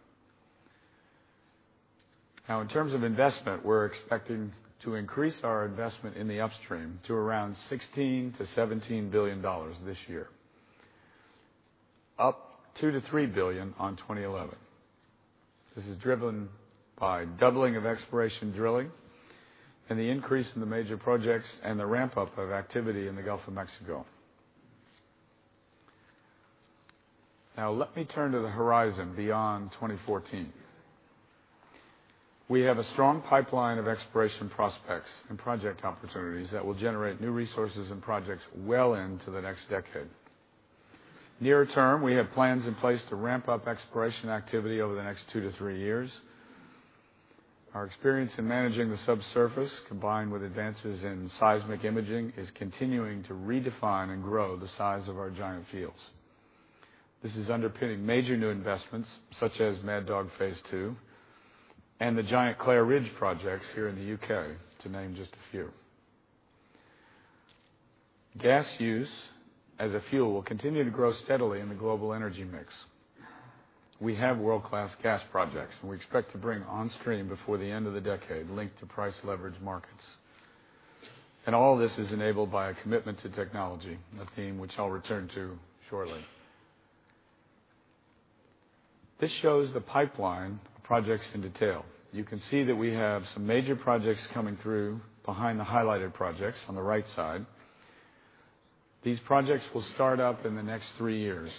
In terms of investment, we're expecting to increase our investment in the upstream to around $16 billion-$17 billion this year, up $2 billion-$3 billion on 2011. This is driven by doubling of exploration drilling and the increase in the major projects and the ramp-up of activity in the Gulf of Mexico. Now, let me turn to the horizon beyond 2014. We have a strong pipeline of exploration prospects and project opportunities that will generate new resources and projects well into the next decade. Near-term, we have plans in place to ramp up exploration activity over the next two to three years. Our experience in managing the subsurface, combined with advances in seismic imaging, is continuing to redefine and grow the size of our giant fields. This is underpinning major new investments, such as Mad Dog Phase Two and the giant Clair Ridge projects here in the U.K., to name just a few. Gas use as a fuel will continue to grow steadily in the global energy mix. We have world-class gas projects, and we expect to bring onstream before the end of the decade, linked to price-leveraged markets. All this is enabled by a commitment to technology, a theme which I'll return to shortly. This shows the pipeline projects in detail. You can see that we have some major projects coming through behind the highlighted projects on the right side. These projects will start up in the next three years,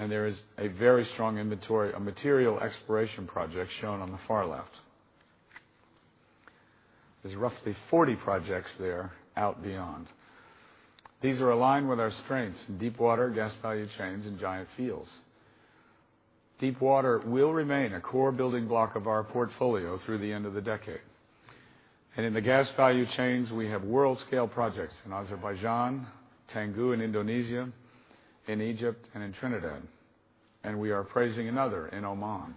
and there is a very strong inventory of material exploration projects shown on the far left. There's roughly 40 projects there out beyond. These are aligned with our strengths in deepwater, gas value chains, and giant fields. Deepwater will remain a core building block of our portfolio through the end of the decade. In the gas value chains, we have world-scale projects in Azerbaijan, Tangguh in Indonesia, in Egypt, and in Trinidad. We are appraising another in Oman.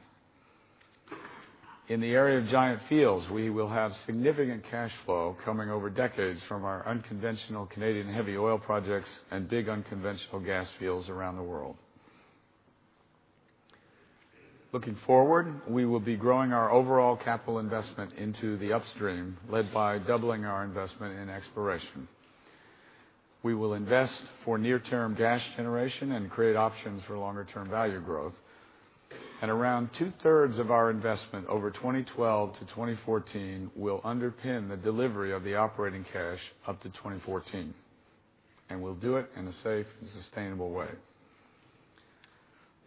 In the area of giant fields, we will have significant cash flow coming over decades from our unconventional Canadian heavy oil projects and big unconventional gas fields around the world. Looking forward, we will be growing our overall capital investment into the upstream, led by doubling our investment in exploration. We will invest for near-term gas generation and create options for longer-term value growth. Around 2/3 of our investment over 2012-2014 will underpin the delivery of the operating cash up to 2014. We will do it in a safe and sustainable way.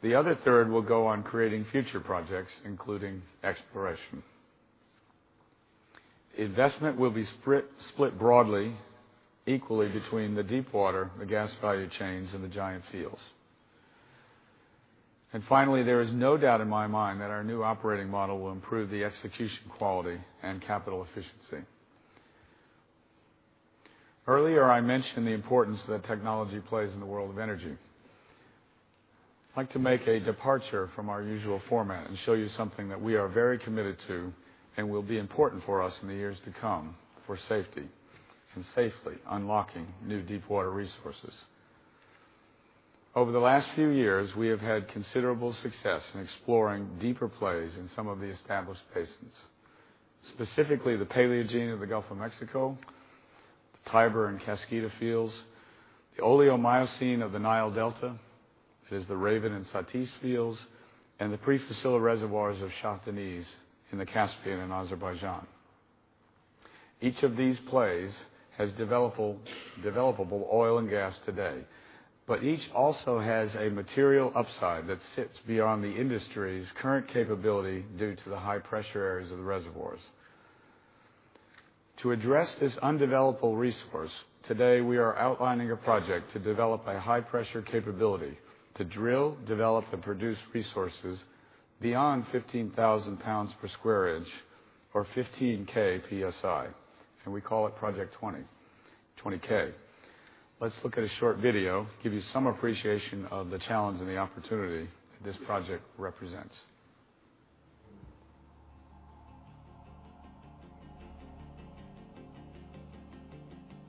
The other 1/3 will go on creating future projects, including exploration. Investment will be split broadly, equally between the deepwater, the gas value chains, and the giant fields. Finally, there is no doubt in my mind that our new operating model will improve the execution quality and capital efficiency. Earlier, I mentioned the importance that technology plays in the world of energy. I'd like to make a departure from our usual format and show you something that we are very committed to and will be important for us in the years to come for safety and safely unlocking new deepwater resources. Over the last few years, we have had considerable success in exploring deeper plays in some of the established basins, specifically the Paleogene of the Gulf of Mexico, the Tiber and Kaskida fields, the Oligocene of the Nile Delta, that is the Raven and Satis fields, and the pre-salt reservoirs of Shah Deniz in the Caspian in Azerbaijan. Each of these plays has developable oil and gas today, but each also has a material upside that sits beyond the industry's current capability due to the high-pressure areas of the reservoirs. To address this undevelopable resource, today we are outlining a project to develop a high-pressure capability to drill, develop, and produce resources beyond 15,000 lbs per square inch, or 15,000 PSI. We call it Project 20K. Let's look at a short video to give you some appreciation of the challenge and the opportunity this project represents.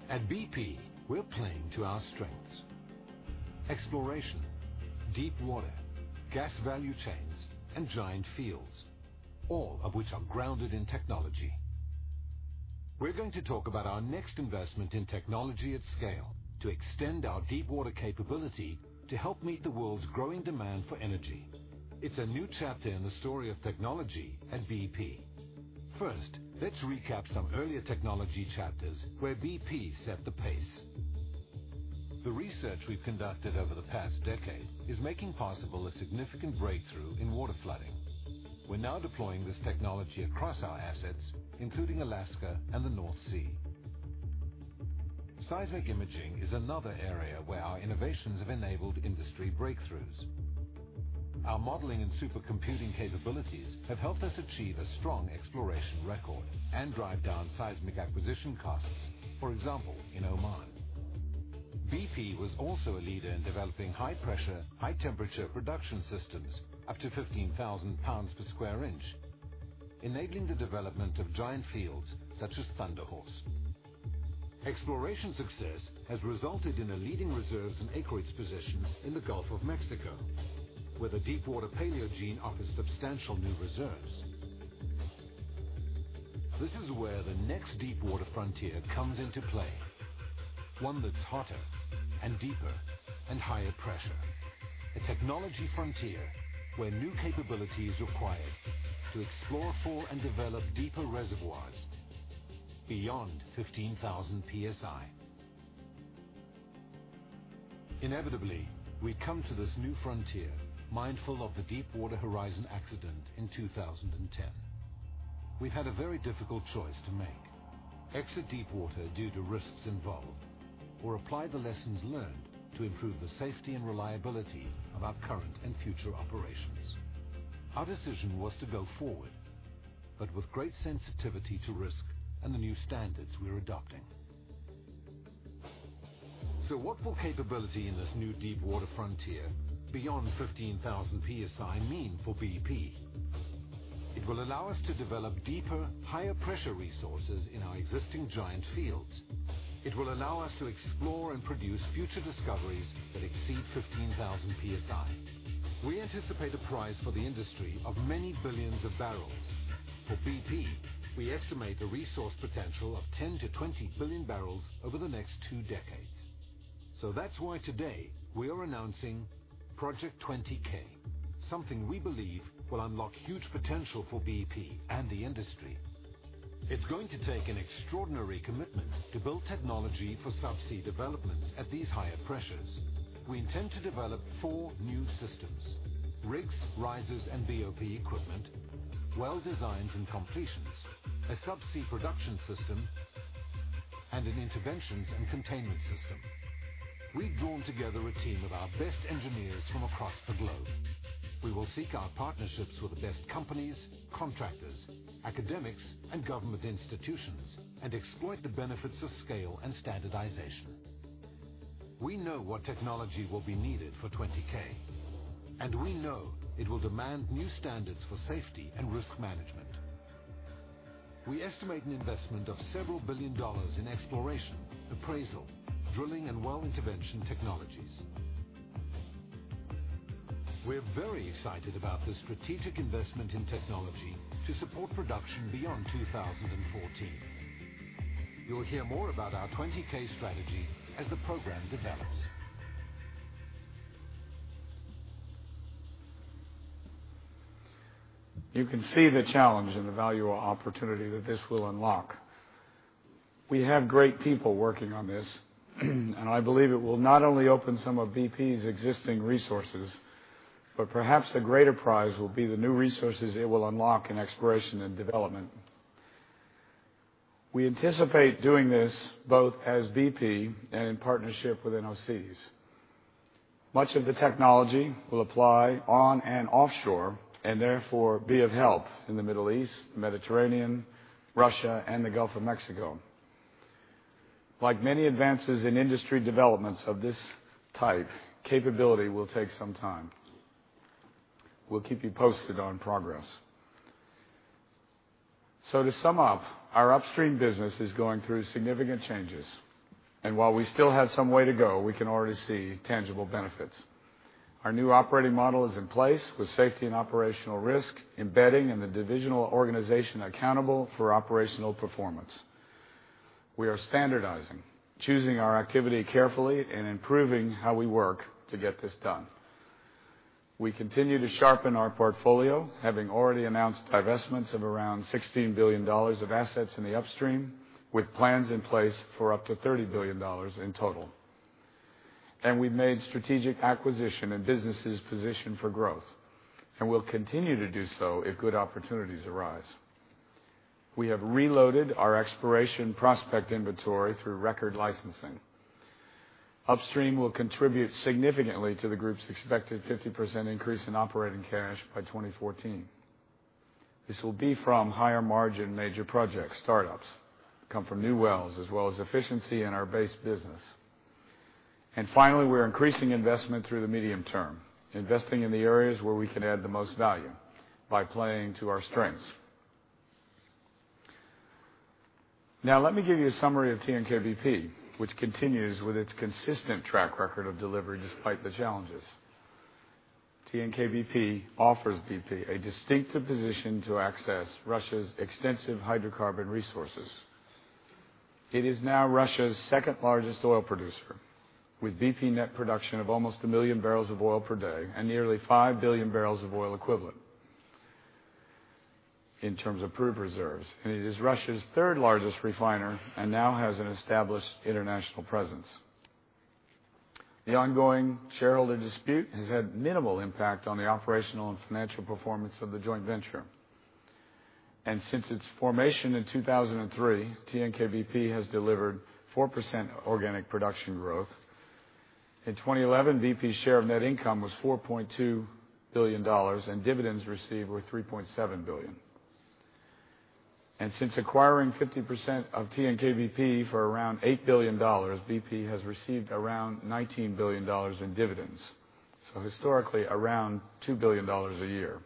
At BP, we're playing to our strengths: exploration, deepwater, gas value chains, and giant fields, all of which are grounded in technology. We're going to talk about our next investment in technology at scale to extend our deepwater capability to help meet the world's growing demand for energy. It's a new chapter in the story of technology at BP. First, let's recap some earlier technology chapters where BP set the pace. The research we've conducted over the past decade is making possible a significant breakthrough in water flooding. We're now deploying this technology across our assets, including Alaska and the North Sea. Seismic imaging is another area where our innovations have enabled industry breakthroughs. Our modeling and supercomputing capabilities have helped us achieve a strong exploration record and drive down seismic acquisition costs, for example, in Oman. BP was also a leader in developing high-pressure, high-temperature production systems up to 15,000 lbs per square inch, enabling the development of giant fields such as Thunder Horse. Exploration success has resulted in a leading reserves and acreage position in the Gulf of Mexico, where the deepwater Paleogene offers substantial new reserves. This is where the next deepwater frontier comes into play, one that's hotter and deeper and higher pressure, a technology frontier where new capability is required to explore for and develop deeper reservoirs beyond 15,000 PSI. Inevitably, we come to this new frontier mindful of the Deepwater Horizon accident in 2010. We've had a very difficult choice to make: exit deepwater due to risks involved or apply the lessons learned to improve the safety and reliability of our current and future operations. Our decision was to go forward, but with great sensitivity to risk and the new standards we're adopting. What will capability in this new deepwater frontier beyond 15,000 PSI mean for BP? It will allow us to develop deeper, higher-pressure resources in our existing giant fields. It will allow us to explore and produce future discoveries that exceed 15,000 PSI. We anticipate a prize for the industry of many billions of barrels. For BP, we estimate a resource potential of 10 billion bbl-20 billion bbl over the next two decades. That's why today we are announcing Project 20K, something we believe will unlock huge potential for BP and the industry. It's going to take an extraordinary commitment to build technology for subsea developments at these higher pressures. We intend to develop four new systems: rigs, risers and BOP equipment, well designs and completions, a subsea production system, and an interventions and containment system. We've drawn together a team of our best engineers from across the globe. We will seek our partnerships with the best companies, contractors, academics, and government institutions and exploit the benefits of scale and standardization. We know what technology will be needed for Project 20K, and we know it will demand new standards for safety and risk management. We estimate an investment of several billion dollars in exploration, appraisal, drilling, and well intervention technologies. We're very excited about the strategic investment in technology to support production beyond 2014. You'll hear more about our Project 20K strategy as the program develops. You can see the challenge and the valuable opportunity that this will unlock. We have great people working on this, and I believe it will not only open some of BP's existing resources, but perhaps the greater prize will be the new resources it will unlock in exploration and development. We anticipate doing this both as BP and in partnership with NOCs. Much of the technology will apply on and offshore and therefore be of help in the Middle East, Mediterranean, Russia, and the Gulf of Mexico. Like many advances in industry developments of this type, capability will take some time. We'll keep you posted on progress. To sum up, our upstream business is going through significant changes. While we still have some way to go, we can already see tangible benefits. Our new operating model is in place with Safety and Operational Risk embedding in the divisional organization accountable for operational performance. We are standardizing, choosing our activity carefully, and improving how we work to get this done. We continue to sharpen our portfolio, having already announced divestments of around $16 billion of assets in the upstream, with plans in place for up to $30 billion in total. We've made strategic acquisition in businesses positioned for growth, and we'll continue to do so if good opportunities arise. We have reloaded our exploration prospect inventory through record licensing. Upstream will contribute significantly to the group's expected 50% increase in operating cash by 2014. This will be from higher margin major projects, startups that come from new wells, as well as efficiency in our base business. Finally, we're increasing investment through the medium term, investing in the areas where we can add the most value by playing to our strengths. Now, let me give you a summary of TNK-BP, which continues with its consistent track record of delivery despite the challenges. TNK-BP offers BP a distinctive position to access Russia's extensive hydrocarbon resources. It is now Russia's second-largest oil producer, with BP net production of almost 1 million bbl of oil per day and nearly 5 billion bbl of oil equivalent in terms of crude reserves. It is Russia's third-largest refiner and now has an established international presence. The ongoing shareholder dispute has had minimal impact on the operational and financial performance of the joint venture. Since its formation in 2003, TNK-BP has delivered 4% organic production growth. In 2011, BP's share of net income was $4.2 billion, and dividends received were $3.7 billion. Since acquiring 50% of TNK-BP for around $8 billion, BP has received around $19 billion in dividends, so historically around $2 billion a year.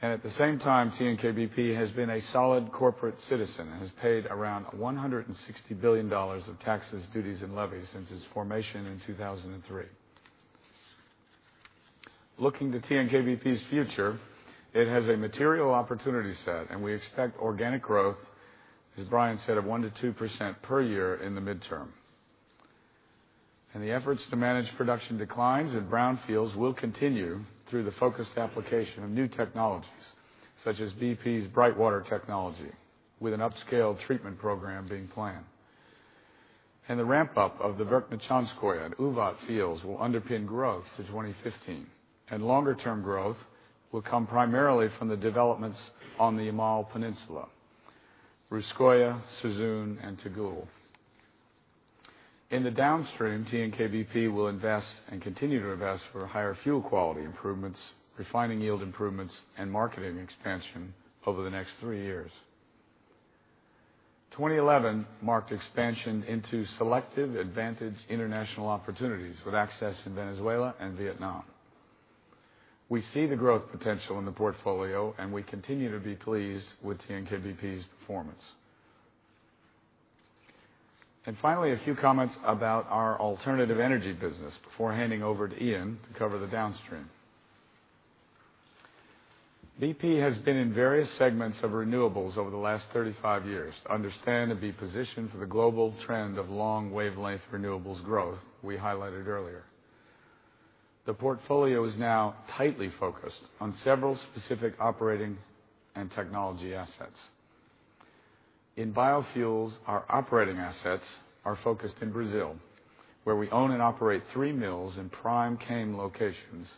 At the same time, TNK-BP has been a solid corporate citizen and has paid around $160 billion of taxes, duties, and levies since its formation in 2003. Looking to TNK-BP's future, it has a material opportunity set, and we expect organic growth, as Brian said, of 1%-2% per year in the midterm. The efforts to manage production declines in brown fields will continue through the focused application of new technologies, such as BP's BrightWater technology, with an upscaled treatment program being planned. The ramp-up of the Verkhnechonskoye and Uvat fields will underpin growth to 2015. Longer-term growth will come primarily from the developments on the Yamal Peninsula, Russkoye, Suzun, and Tagul. In the downstream, TNK-BP will invest and continue to invest for higher fuel quality improvements, refining yield improvements, and marketing expansion over the next three years. 2011 marked expansion into selective advantaged international opportunities with access in Venezuela and Vietnam. We see the growth potential in the portfolio, and we continue to be pleased with TNK-BP's performance. Finally, a few comments about our alternative energy business before handing over to Iain to cover the downstream. BP has been in various segments of renewables over the last 35 years to understand and be positioned for the global trend of long wavelength renewables growth we highlighted earlier. The portfolio is now tightly focused on several specific operating and technology assets. In biofuels, our operating assets are focused in Brazil, where we own and operate three mills in prime [CAM] locations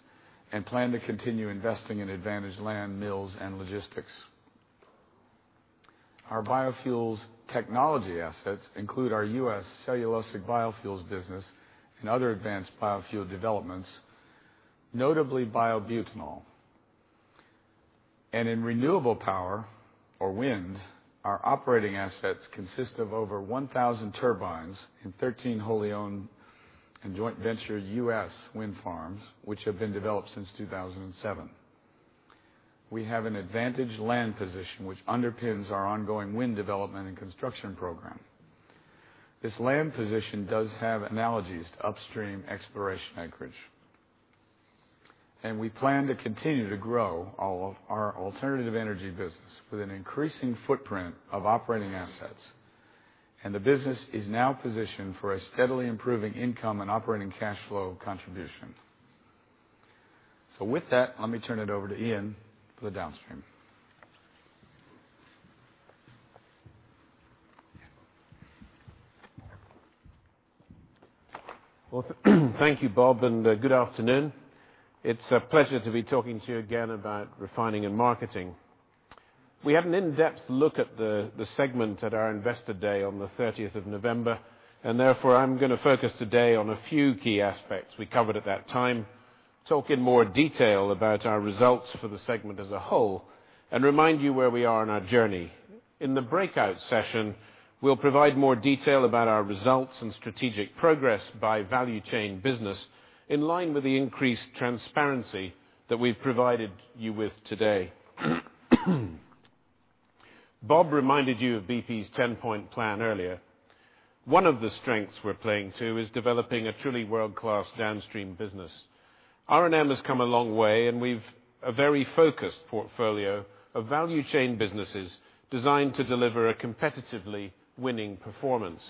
and plan to continue investing in advantaged land, mills, and logistics. Our biofuels technology assets include our U.S. cellulosic biofuels business and other advanced biofuel developments, notably biobutanol. In renewable power or wind, our operating assets consist of over 1,000 turbines in 13 wholly owned and joint venture U.S. wind farms, which have been developed since 2007. We have an advantaged land position, which underpins our ongoing wind development and construction program. This land position does have analogies to upstream exploration acreage. We plan to continue to grow our alternative energy business with an increasing footprint of operating assets. The business is now positioned for a steadily improving income and operating cash flow contribution. With that, let me turn it over to Iain for the downstream. Thank you, Bob, and good afternoon. It's a pleasure to be talking to you again about refining and marketing. We had an in-depth look at the segment at our Investor Day on November 30th, and therefore, I'm going to focus today on a few key aspects we covered at that time, talk in more detail about our results for the segment as a whole, and remind you where we are on our journey. In the breakout session, we'll provide more detail about our results and strategic progress by value chain business in line with the increased transparency that we've provided you with today. Bob reminded you of BP's 10-point plan earlier. One of the strengths we're playing to is developing a truly world-class downstream business. R&M has come a long way, and we've a very focused portfolio of value chain businesses designed to deliver a competitively winning performance.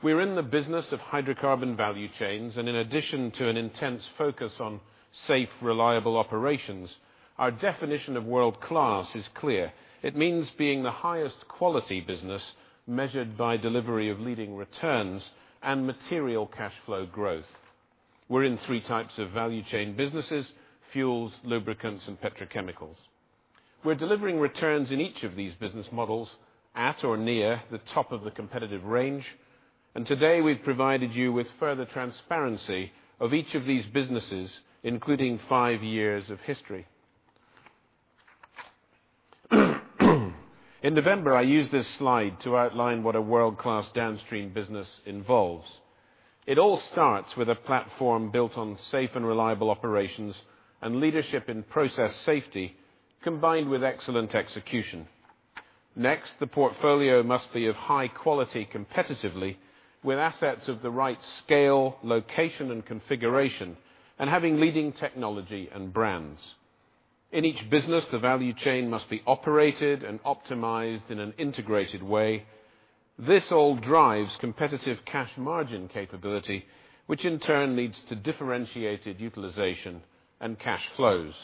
We're in the business of hydrocarbon value chains, and in addition to an intense focus on safe, reliable operations, our definition of world-class is clear. It means being the highest quality business measured by delivery of leading returns and material cash flow growth. We're in three types of value chain businesses: fuels, lubricants, and petrochemicals. We're delivering returns in each of these business models at or near the top of the competitive range. Today, we've provided you with further transparency of each of these businesses, including five years of history. In November, I used this slide to outline what a world-class downstream business involves. It all starts with a platform built on safe and reliable operations and leadership in process safety, combined with excellent execution. Next, the portfolio must be of high quality competitively, with assets of the right scale, location, and configuration, and having leading technology and brands. In each business, the value chain must be operated and optimized in an integrated way. This all drives competitive cash margin capability, which in turn needs to differentiate its utilization and cash flows.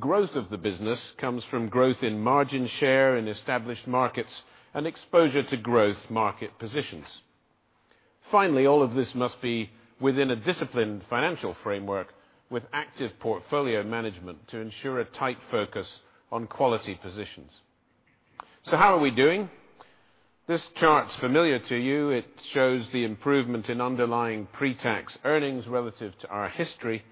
Growth of the business comes from growth in margin share in established markets and exposure to growth market positions. Finally, all of this must be within a disciplined financial framework with active portfolio management to ensure a tight focus on quality positions. How are we doing? This chart's familiar to you, it shows the improvement in underlying pre-tax earnings relative to our history.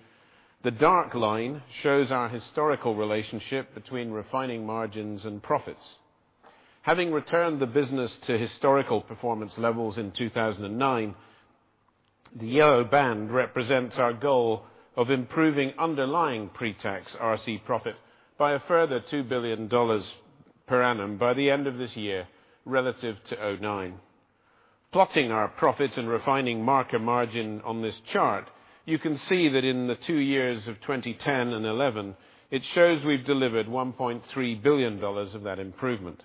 The dark line shows our historical relationship between refining margins and profits. Having returned the business to historical performance levels in 2009, the yellow band represents our goal of improving underlying pre-tax RC profit by a further $2 billion per annum by the end of this year relative to 2009. Plotting our profits and refining market margin on this chart, you can see that in the two years of 2010 and 2011, it shows we've delivered $1.3 billion of that improvement.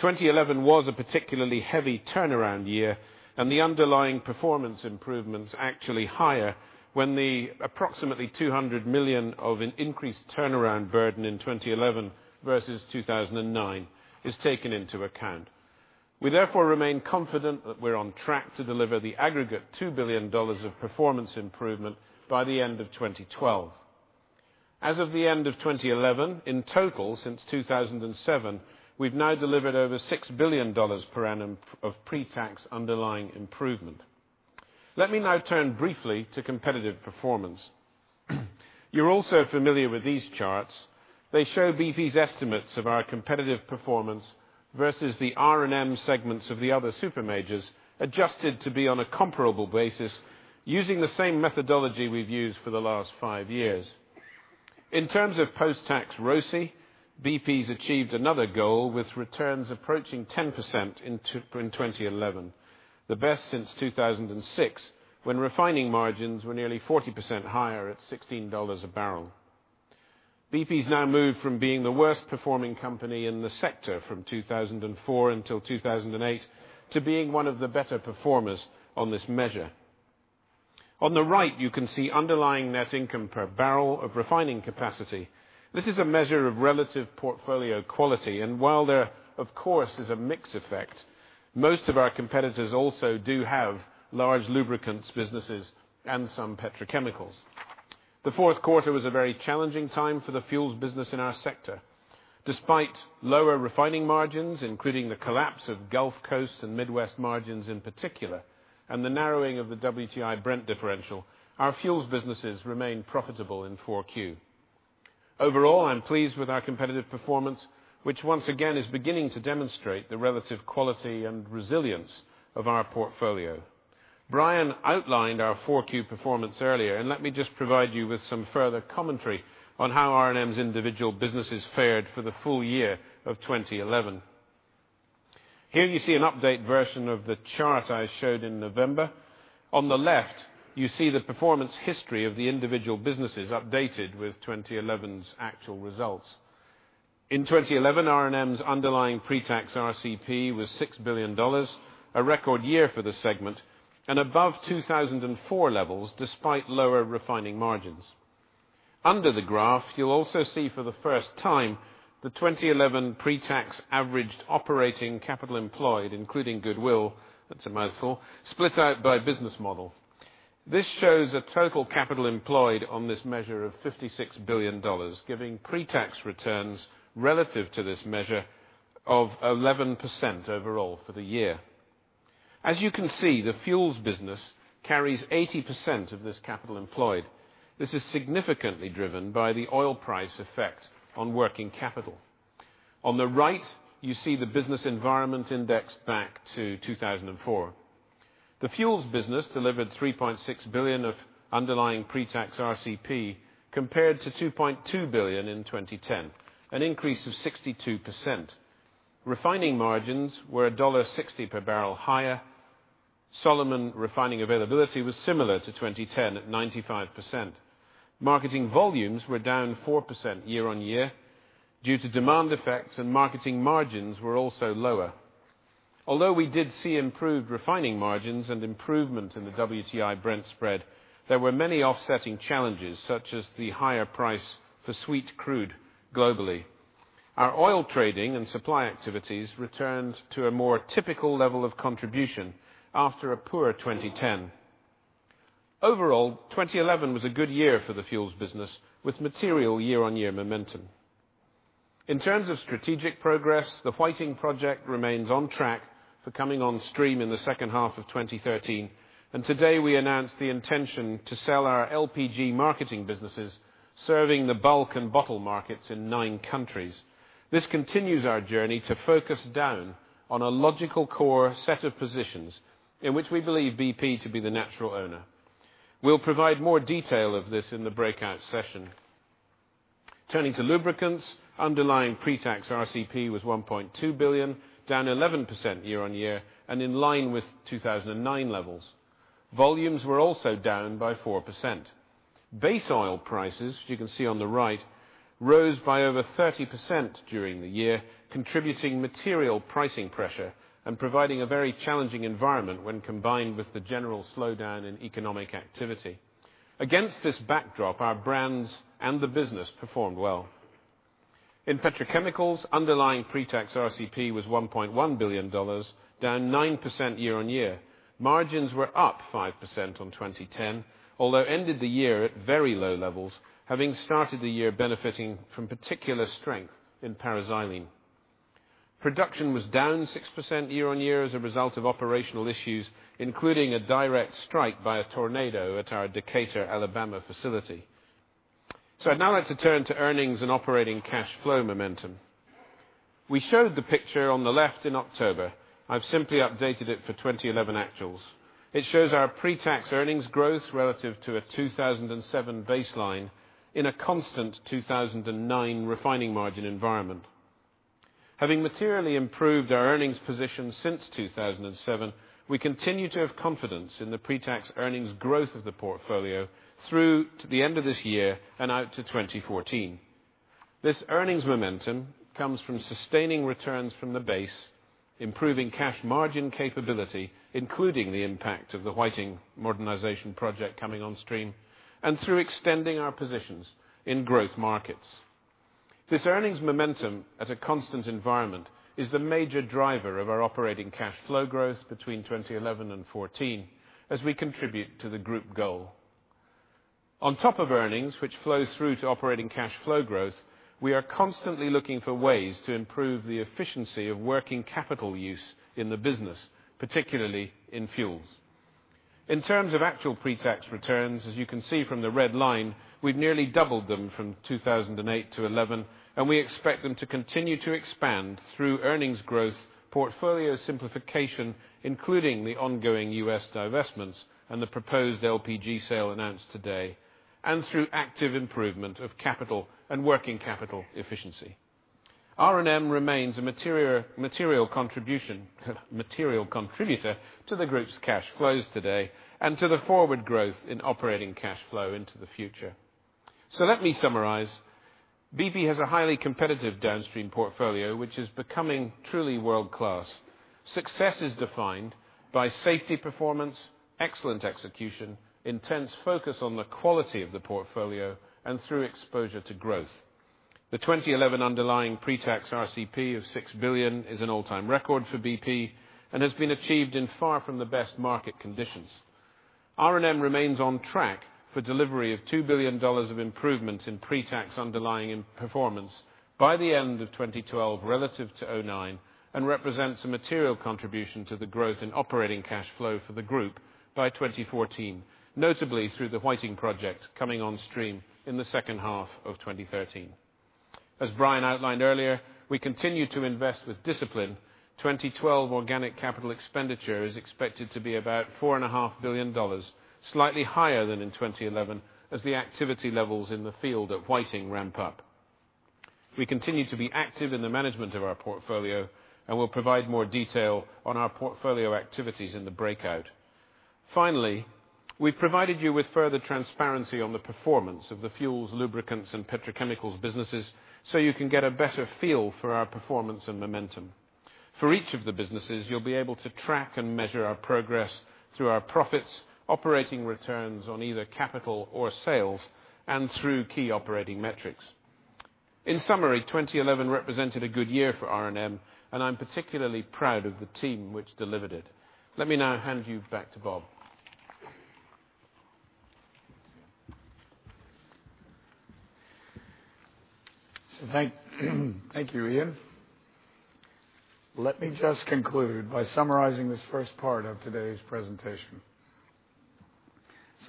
2011 was a particularly heavy turnaround year, and the underlying performance improvement is actually higher when the approximately $200 million of an increased turnaround burden in 2011 versus 2009 is taken into account. We therefore remain confident that we're on track to deliver the aggregate $2 billion of performance improvement by the end of 2012. As of the end of 2011, in total since 2007, we've now delivered over $6 billion per annum of pre-tax underlying improvement. Let me now turn briefly to competitive performance. You're also familiar with these charts, they show BP's estimates of our competitive performance versus the R&M segments of the other supermajors adjusted to be on a comparable basis using the same methodology we've used for the last five years. In terms of post-tax ROACE, BP's achieved another goal with returns approaching 10% in 2011, the best since 2006 when refining margins were nearly 40% higher at $16 a barrel. BP's now moved from being the worst-performing company in the sector from 2004 until 2008 to being one of the better performers on this measure. On the right, you can see underlying net income per barrel of refining capacity. This is a measure of relative portfolio quality, and while there, of course, is a mix effect, most of our competitors also do have large lubricants businesses and some petrochemicals. The fourth quarter was a very challenging time for the fuels business in our sector. Despite lower refining margins, including the collapse of Gulf Coast and Midwest margins in particular, and the narrowing of the WTI, Brent differential, our fuels businesses remain profitable in 4Q. Overall, I'm pleased with our competitive performance, which once again is beginning to demonstrate the relative quality and resilience of our portfolio. Brian outlined our 4Q performance earlier, and let me just provide you with some further commentary on how R&M's individual businesses fared for the full year of 2011. Here you see an updated version of the chart I showed in November. On the left, you see the performance history of the individual businesses updated with 2011's actual results. In 2011, R&M's underlying pre-tax RCP was $6 billion, a record year for the segment, and above 2004 levels despite lower refining margins. Under the graph, you'll also see for the first time the 2011 pre-tax averaged operating capital employed, including goodwill, that's a mouthful, split out by business model. This shows a total capital employed on this measure of $56 billion, giving pre-tax returns relative to this measure of 11% overall for the year. As you can see, the fuels business carries 80% of this capital employed. This is significantly driven by the oil price effect on working capital. On the right, you see the business environment indexed back to 2004. The fuels business delivered $3.6 billion of underlying pre-tax RCP compared to $2.2 billion in 2010, an increase of 62%. Refining margins were $1.60 per barrel higher. Solomon refining availability was similar to 2010 at 95%. Marketing volumes were down 4% year-on-year due to demand effects, and marketing margins were also lower. Although we did see improved refining margins and improvement in the WTI, Brent spread, there were many offsetting challenges such as the higher price for sweet crude globally. Our oil trading and supply activities returned to a more typical level of contribution after a poor 2010. Overall, 2011 was a good year for the fuels business with material year-on-year momentum. In terms of strategic progress, the Whiting Refinery Project remains on track for coming on stream in the second half of 2013, and today we announced the intention to sell our LPG marketing businesses, serving the bulk and bottle markets in nine countries. This continues our journey to focus down on a logical core set of positions in which we believe BP to be the natural owner. We'll provide more detail of this in the breakout session. Turning to lubricants, underlying pre-tax RCP was $1.2 billion, down 11% year-on-year, and in line with 2009 levels. Volumes were also down by 4%. Base oil prices, as you can see on the right, rose by over 30% during the year, contributing material pricing pressure and providing a very challenging environment when combined with the general slowdown in economic activity. Against this backdrop, our brands and the business performed well. In petrochemicals, underlying pre-tax RCP was $1.1 billion, down 9% year-on-year. Margins were up 5% on 2010, although ended the year at very low levels, having started the year benefiting from particular strength in parazylene. Production was down 6% year-on-year as a result of operational issues, including a direct strike by a tornado at our Decatur, Alabama facility. Now let's turn to earnings and operating cash flow momentum. We showed the picture on the left in October. I've simply updated it for 2011 actuals. It shows our pre-tax earnings growth relative to a 2007 baseline in a constant 2009 refining margin environment. Having materially improved our earnings position since 2007, we continue to have confidence in the pre-tax earnings growth of the portfolio through to the end of this year and out to 2014. This earnings momentum comes from sustaining returns from the base, improving cash margin capability, including the impact of the Whiting Refinery modernization project coming on stream, and through extending our positions in growth markets. This earnings momentum at a constant environment is the major driver of our operating cash flow growth between 2011 and 2014 as we contribute to the group goal. On top of earnings, which flows through to operating cash flow growth, we are constantly looking for ways to improve the efficiency of working capital use in the business, particularly in fuels. In terms of actual pre-tax returns, as you can see from the red line, we've nearly doubled them from 2008-2011, and we expect them to continue to expand through earnings growth, portfolio simplification, including the ongoing U.S. divestments and the proposed LPG sale announced today, and through active improvement of capital and working capital efficiency. R&M remains a material contributor to the group's cash flows today and to the forward growth in operating cash flow into the future. Let me summarize. BP has a highly competitive downstream portfolio, which is becoming truly world-class. Success is defined by safety performance, excellent execution, intense focus on the quality of the portfolio, and through exposure to growth. The 2011 underlying pre-tax RCP of $6 billion is an all-time record for BP and has been achieved in far from the best market conditions. R&M remains on track for delivery of $2 billion of improvements in pre-tax underlying performance by the end of 2012 relative to 2009 and represents a material contribution to the growth in operating cash flow for the group by 2014, notably through the Whiting Project coming on stream in the second half of 2013. As Brian outlined earlier, we continue to invest with discipline. 2012 organic capital expenditure is expected to be about $4.5 billion, slightly higher than in 2011 as the activity levels in the field at Whiting ramp up. We continue to be active in the management of our portfolio and will provide more detail on our portfolio activities in the breakout. Finally, we've provided you with further transparency on the performance of the fuels, lubricants, and petrochemicals businesses so you can get a better feel for our performance and momentum. For each of the businesses, you'll be able to track and measure our progress through our profits, operating returns on either capital or sales, and through key operating metrics. In summary, 2011 represented a good year for R&M, and I'm particularly proud of the team which delivered it. Let me now hand you back to Bob. Thank you, Iain. Let me just conclude by summarizing this first part of today's presentation.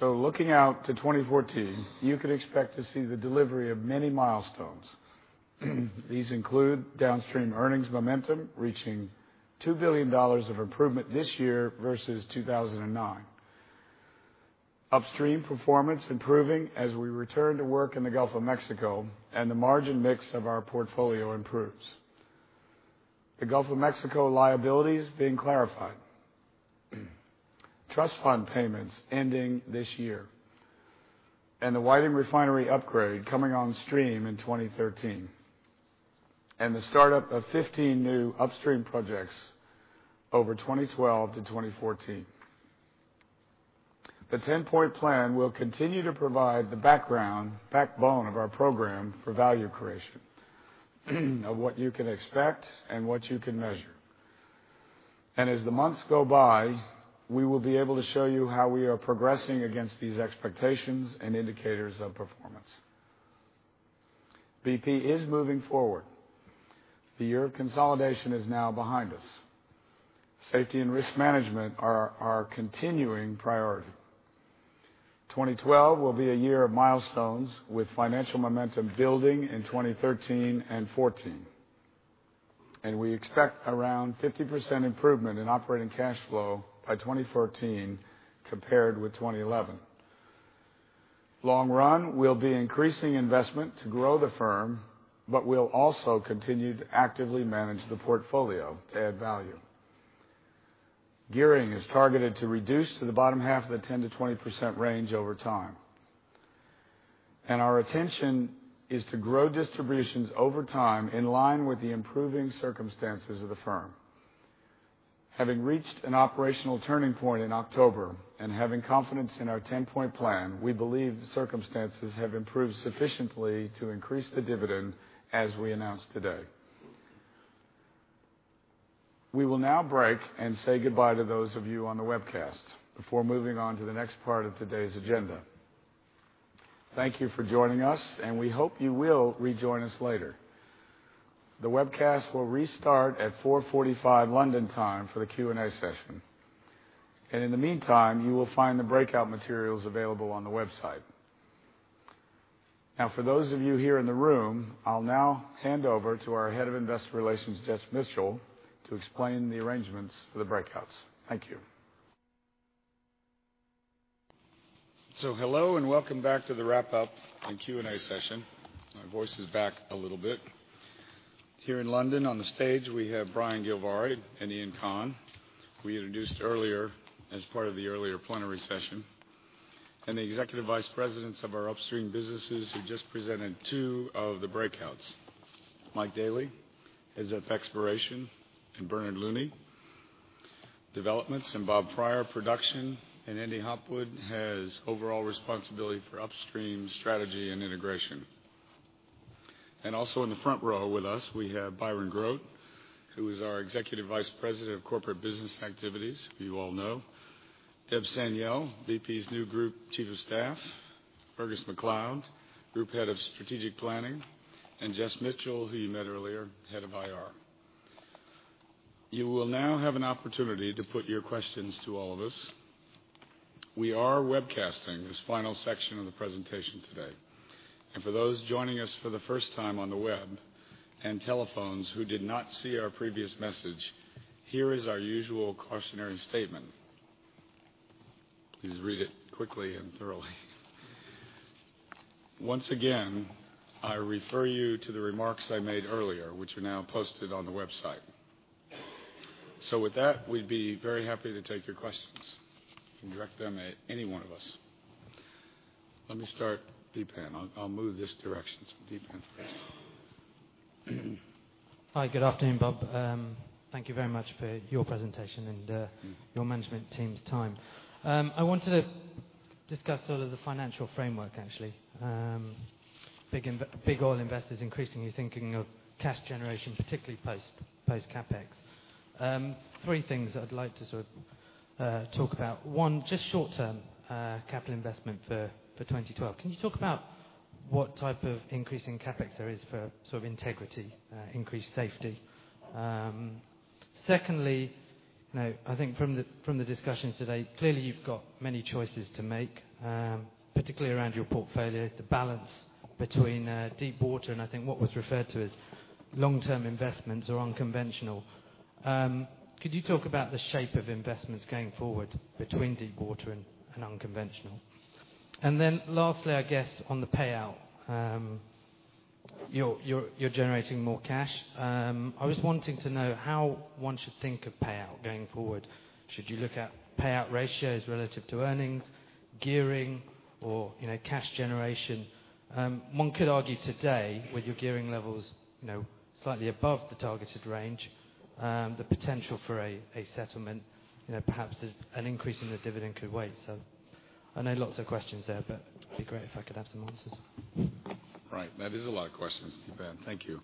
Looking out to 2014, you could expect to see the delivery of many milestones. These include downstream earnings momentum reaching $2 billion of improvement this year versus 2009, upstream performance improving as we return to work in the Gulf of Mexico and the margin mix of our portfolio improves, the Gulf of Mexico liabilities being clarified, trust fund payments ending this year, the Whiting Refinery upgrade coming on stream in 2013, and the startup of 15 new upstream projects over 2012-2014. The 10-point plan will continue to provide the background, backbone of our program for value creation of what you can expect and what you can measure. As the months go by, we will be able to show you how we are progressing against these expectations and indicators of performance. BP is moving forward. The year of consolidation is now behind us. Safety and risk management are our continuing priority. 2012 will be a year of milestones with financial momentum building in 2013 and 2014. We expect around 50% improvement in operating cash flow by 2014 compared with 2011. Long run, we'll be increasing investment to grow the firm, but we'll also continue to actively manage the portfolio to add value. Gearing is targeted to reduce to the bottom half of the 10%-20% range over time. Our attention is to grow distributions over time in line with the improving circumstances of the firm. Having reached an operational turning point in October and having confidence in our 10-point plan, we believe circumstances have improved sufficiently to increase the dividend as we announce today. We will now break and say goodbye to those of you on the webcast before moving on to the next part of today's agenda. Thank you for joining us, and we hope you will rejoin us later. The webcast will restart at 4:45 P.M. London time for the Q&A session. In the meantime, you will find the breakout materials available on the website. For those of you here in the room, I'll now hand over to our Head of Investor Relations, Jess Mitchell, to explain the arrangements for the breakouts. Thank you. Hello and welcome back to the wrap-up on Q&A session. My voice is back a little bit. Here in London, on the stage, we have Brian Gilvary and Iain Conn, who we introduced earlier as part of the earlier plenary session, and the Executive Vice Presidents of our upstream businesses who just presented two of the breakouts. Mike Daly is at exploration and Bernard Looney developments, and Bob Fryar, production, and Andy Hopwood has overall responsibility for upstream strategy and integration. Also in the front row with us, we have Byron Grote, who is our Executive Vice President of Corporate Business Activities, who you all know, Dev Sanyal, BP's new Group Chief of Staff, Fergus MacLeod, Group Head of Strategic Planning, and Jess Mitchell, who you met earlier, Head of IR. You will now have an opportunity to put your questions to all of us. We are webcasting this final section of the presentation today. For those joining us for the first time on the web and telephones who did not see our previous message, here is our usual cautionary statement. Please read it quickly and thoroughly. Once again, I refer you to the remarks I made earlier, which are now posted on the website. With that, we'd be very happy to take your questions. You can direct them at any one of us. Let me start, Deepan. I'll move this direction. Deepan first. Hi, good afternoon, Bob. Thank you very much for your presentation and your management team's time. I wanted to discuss sort of the financial framework, actually. Big oil investors are increasingly thinking of cash generation, particularly post-CapEx. Three things I'd like to sort of talk about. One, just short-term capital investment for 2012. Can you talk about what type of increasing CapEx there is for sort of integrity, increased safety? Secondly, you know I think from the discussions today, clearly you've got many choices to make, particularly around your portfolio, the balance between Deepwater and I think what was referred to as long-term investments or unconventional. Could you talk about the shape of investments going forward between Deepwater and unconventional? Lastly, I guess on the payout, you're generating more cash. I was wanting to know how one should think of payout going forward. Should you look at payout ratios relative to earnings, gearing, or cash generation? One could argue today with your gearing levels slightly above the targeted range, the potential for a settlement, perhaps an increase in the dividend could wait. I know lots of questions there, but it'd be great if I could have some answers. Right. There's a lot of questions, Deepan. Thank you.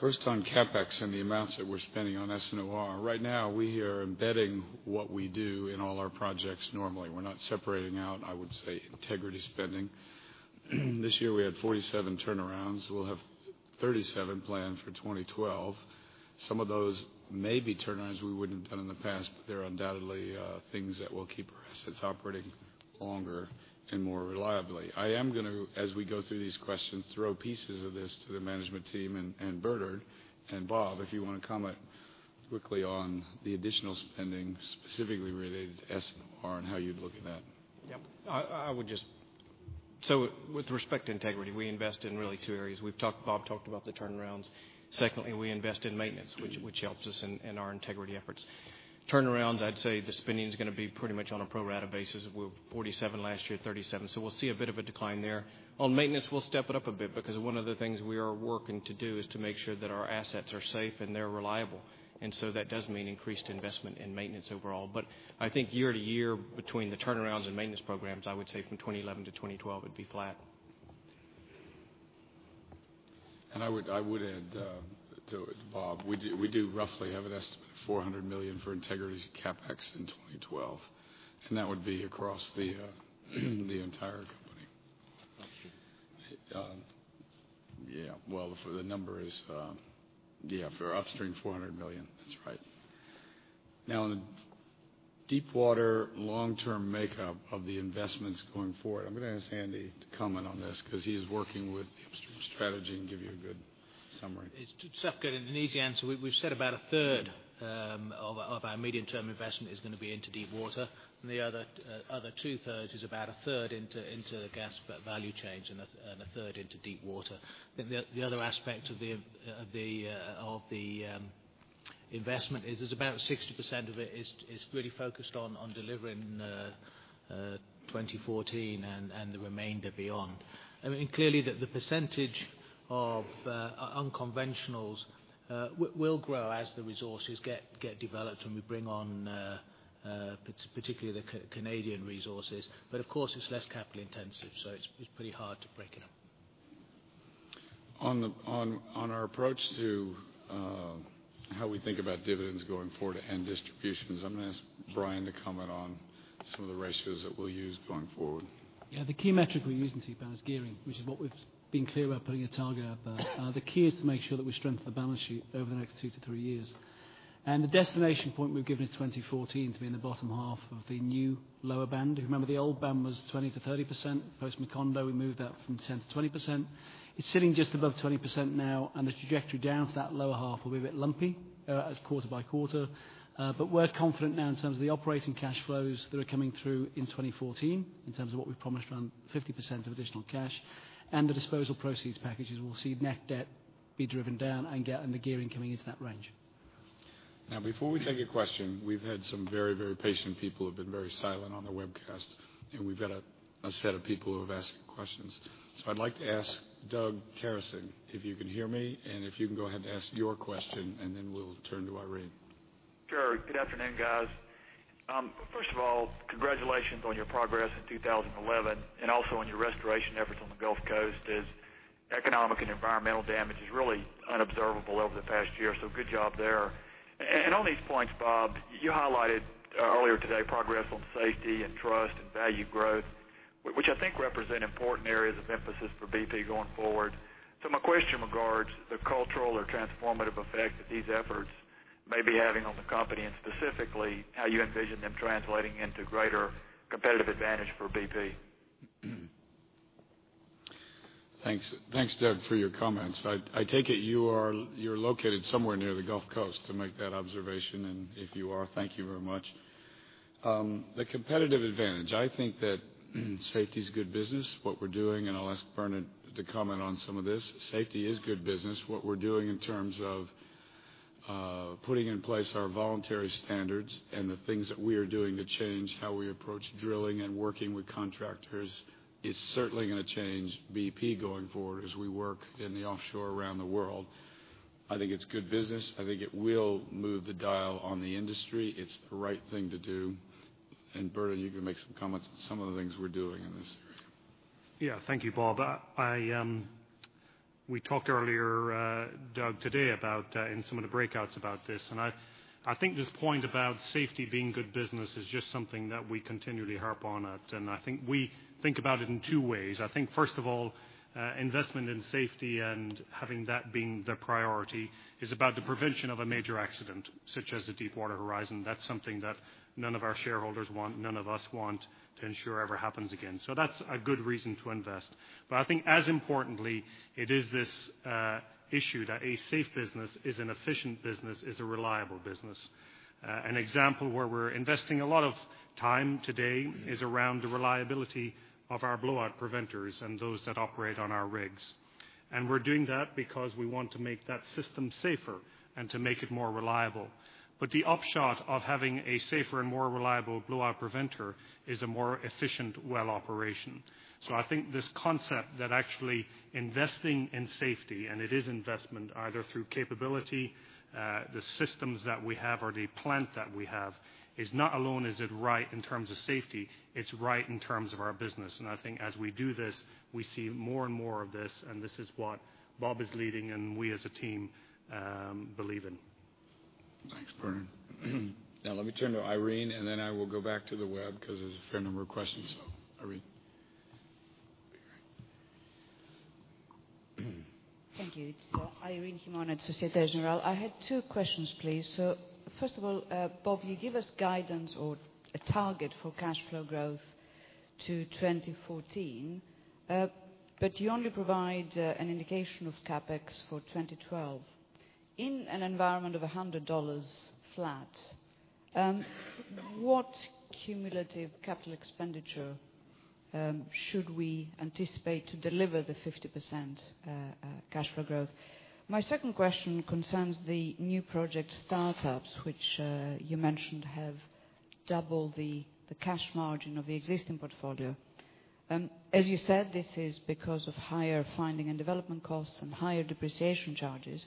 First on CapEx and the amounts that we're spending on SNOR. Right now, we are embedding what we do in all our projects normally. We're not separating out, I would say, integrity spending. This year, we had 47 turnarounds. We'll have 37 planned for 2012. Some of those may be turnarounds we wouldn't have done in the past, but they're undoubtedly things that will keep our assets operating longer and more reliably. I am going to, as we go through these questions, throw pieces of this to the management team and Bernard and Bob, if you want to comment quickly on the additional spending specifically related to SNOR and how you'd look at that. Yep. I would just, so with respect to integrity, we invest in really two areas. We've talked, Bob talked about the turnarounds. Secondly, we invest in maintenance, which helps us in our integrity efforts. Turnarounds, I'd say the spending is going to be pretty much on a pro-rata basis. We were $47 million last year, $37 million. We'll see a bit of a decline there. On maintenance, we'll step it up a bit because one of the things we are working to do is to make sure that our assets are safe and they're reliable. That does mean increased investment in maintenance overall. I think year-to-year between the turnarounds and maintenance programs, I would say from 2011-2012, it'd be flat. I would add to Bob, we do roughly have an estimate of $400 million for integrity CapEx in 2012, and that would be across the entire company. The number is, for upstream, $400 million, that's right. In the Deepwater long-term makeup of the investments going forward, I'm going to ask Andy to comment on this because he is working with the upstream strategy and can give you a good summary. It's tough, good, and an easy answer. We've said about 1/3 of our medium-term investment is going to be into Deepwater. The other 2/3 is about 1/3 into the gas value chain and 1/3 into Deepwater. The other aspect of the investment is about 60% of it is really focused on delivering 2014 and the remainder beyond. Clearly, the percentage of unconventionals will grow as the resources get developed when we bring on particularly the Canadian resources. Of course, it's less capital intensive, so it's pretty hard to break them. On our approach to how we think about dividends going forward and distributions, I'm going to ask Brian to comment on some of the ratios that we'll use going forward. Yeah, the key metric we're using, Deepan, is gearing, which is what we've been clear about putting a target at. The key is to make sure that we strengthen the balance sheet over the next two to three years. The destination point we've given is 2014 to be in the bottom half of the new lower band. Remember, the old band was 20%-30%. Post-Macondo, we moved that from 10% to 20%. It's sitting just above 20% now, and the trajectory down to that lower half will be a bit lumpy quarter-by-quarter. We're confident now in terms of the operating cash flows that are coming through in 2014, in terms of what we've promised around 50% of additional cash. The disposal proceeds packages, we'll see net debt be driven down and get under gearing coming into that range. Now, before we take a question, we've had some very, very patient people who have been very silent on the webcast, and we've got a set of people who have asked questions. I'd like to ask Doug Terreson, if you can hear me, and if you can go ahead and ask your question, and then we'll turn to Irene. Sure. Good afternoon, guys. First of all, congratulations on your progress in 2011 and also on your restoration efforts on the Gulf Coast as economic and environmental damage is really unobservable over the past year. Good job there. On these points, Bob, you highlighted earlier today progress on safety and trust and value growth, which I think represent important areas of emphasis for BP going forward. My question regards the cultural or transformative effects that these efforts may be having on the company and specifically how you envision them translating into greater competitive advantage for BP. Thanks, Doug, for your comments. I take it you're located somewhere near the Gulf Coast to make that observation, and if you are, thank you very much. The competitive advantage, I think that safety is good business. What we're doing, and I'll ask Bernard to comment on some of this, safety is good business. What we're doing in terms of putting in place our voluntary standards and the things that we are doing to change how we approach drilling and working with contractors is certainly going to change BP going forward as we work in the offshore around the world. I think it's good business. I think it will move the dial on the industry. It's the right thing to do. Bernard, you can make some comments on some of the things we're doing in this area. Yeah, thank you, Bob. We talked earlier, Doug, today in some of the breakouts about this. I think this point about safety being good business is just something that we continually harp on. I think we think about it in two ways. First of all, investment in safety and having that be the priority is about the prevention of a major accident, such as the Deepwater Horizon. That's something that none of our shareholders want, none of us want to ensure ever happens again. That's a good reason to invest. I think, as importantly, it is this issue that a safe business is an efficient business, is a reliable business. An example where we're investing a lot of time today is around the reliability of our blowout preventers and those that operate on our rigs. We're doing that because we want to make that system safer and to make it more reliable. The upshot of having a safer and more reliable blowout preventer is a more efficient well operation. I think this concept that actually investing in safety, and it is investment either through capability, the systems that we have, or the plant that we have, is not alone is it right in terms of safety, it's right in terms of our business. I think as we do this, we see more and more of this, and this is what Bob is leading and we as a team believe in. Thanks, Bernard. Now let me turn to Irene, and then I will go back to the web because there's a fair number of questions. Irene. Thank you. It's Irene Himona at Société Générale. I had two questions, please. First of all, Bob, you give us guidance or a target for cash flow growth to 2014, but you only provide an indication of CapEx for 2012. In an environment of $100 flat, what cumulative capital expenditure should we anticipate to deliver the 50% cash flow growth? My second question concerns the new project startups, which you mentioned have doubled the cash margin of the existing portfolio. As you said, this is because of higher finding and development costs and higher depreciation charges.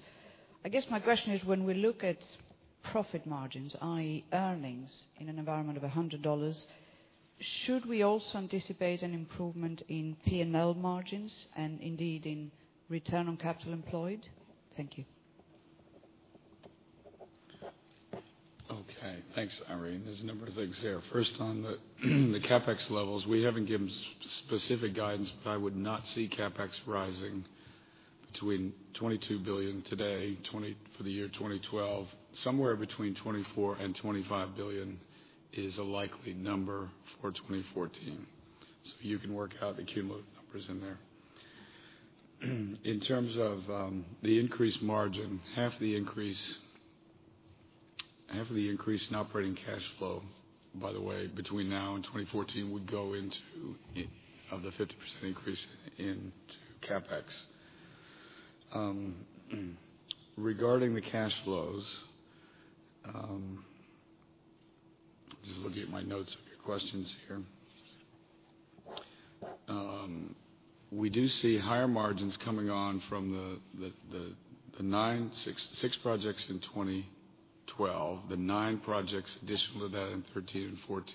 I guess my question is, when we look at profit margins, i.e., earnings in an environment of $100, should we also anticipate an improvement in P&L margins and indeed in return on capital employed? Thank you. Okay, thanks, Irene. There's a number of things there. First on the CapEx levels, we haven't given specific guidance, but I would not see CapEx rising between $22 billion today for the year 2012. Somewhere between $24 billion and $25 billion is a likely number for 2014. You can work out the cumulative numbers in there. In terms of the increased margin, half of the increase in operating cash flow, by the way, between now and 2014 would go into the 50% increase in CapEx. Regarding the cash flows, just looking at my notes of your questions here, we do see higher margins coming on from the nine, six projects in 2012, the nine projects additional to that in 2013 and 2014.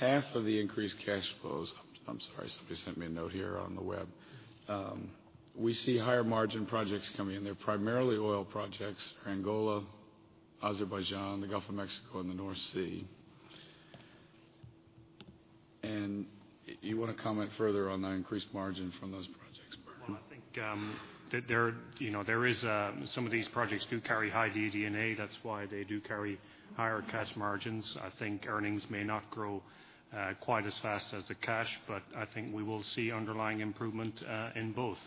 Half of the increased cash flows, I'm sorry, somebody sent me a note here on the web. We see higher margin projects coming in. They're primarily oil projects, Angola, Azerbaijan, the Gulf of Mexico, and the North Sea. You want to comment further on the increased margin from those projects. I think that some of these projects do carry high DD&A. That's why they do carry higher cash margins. I think earnings may not grow quite as fast as the cash, but I think we will see underlying improvement in both.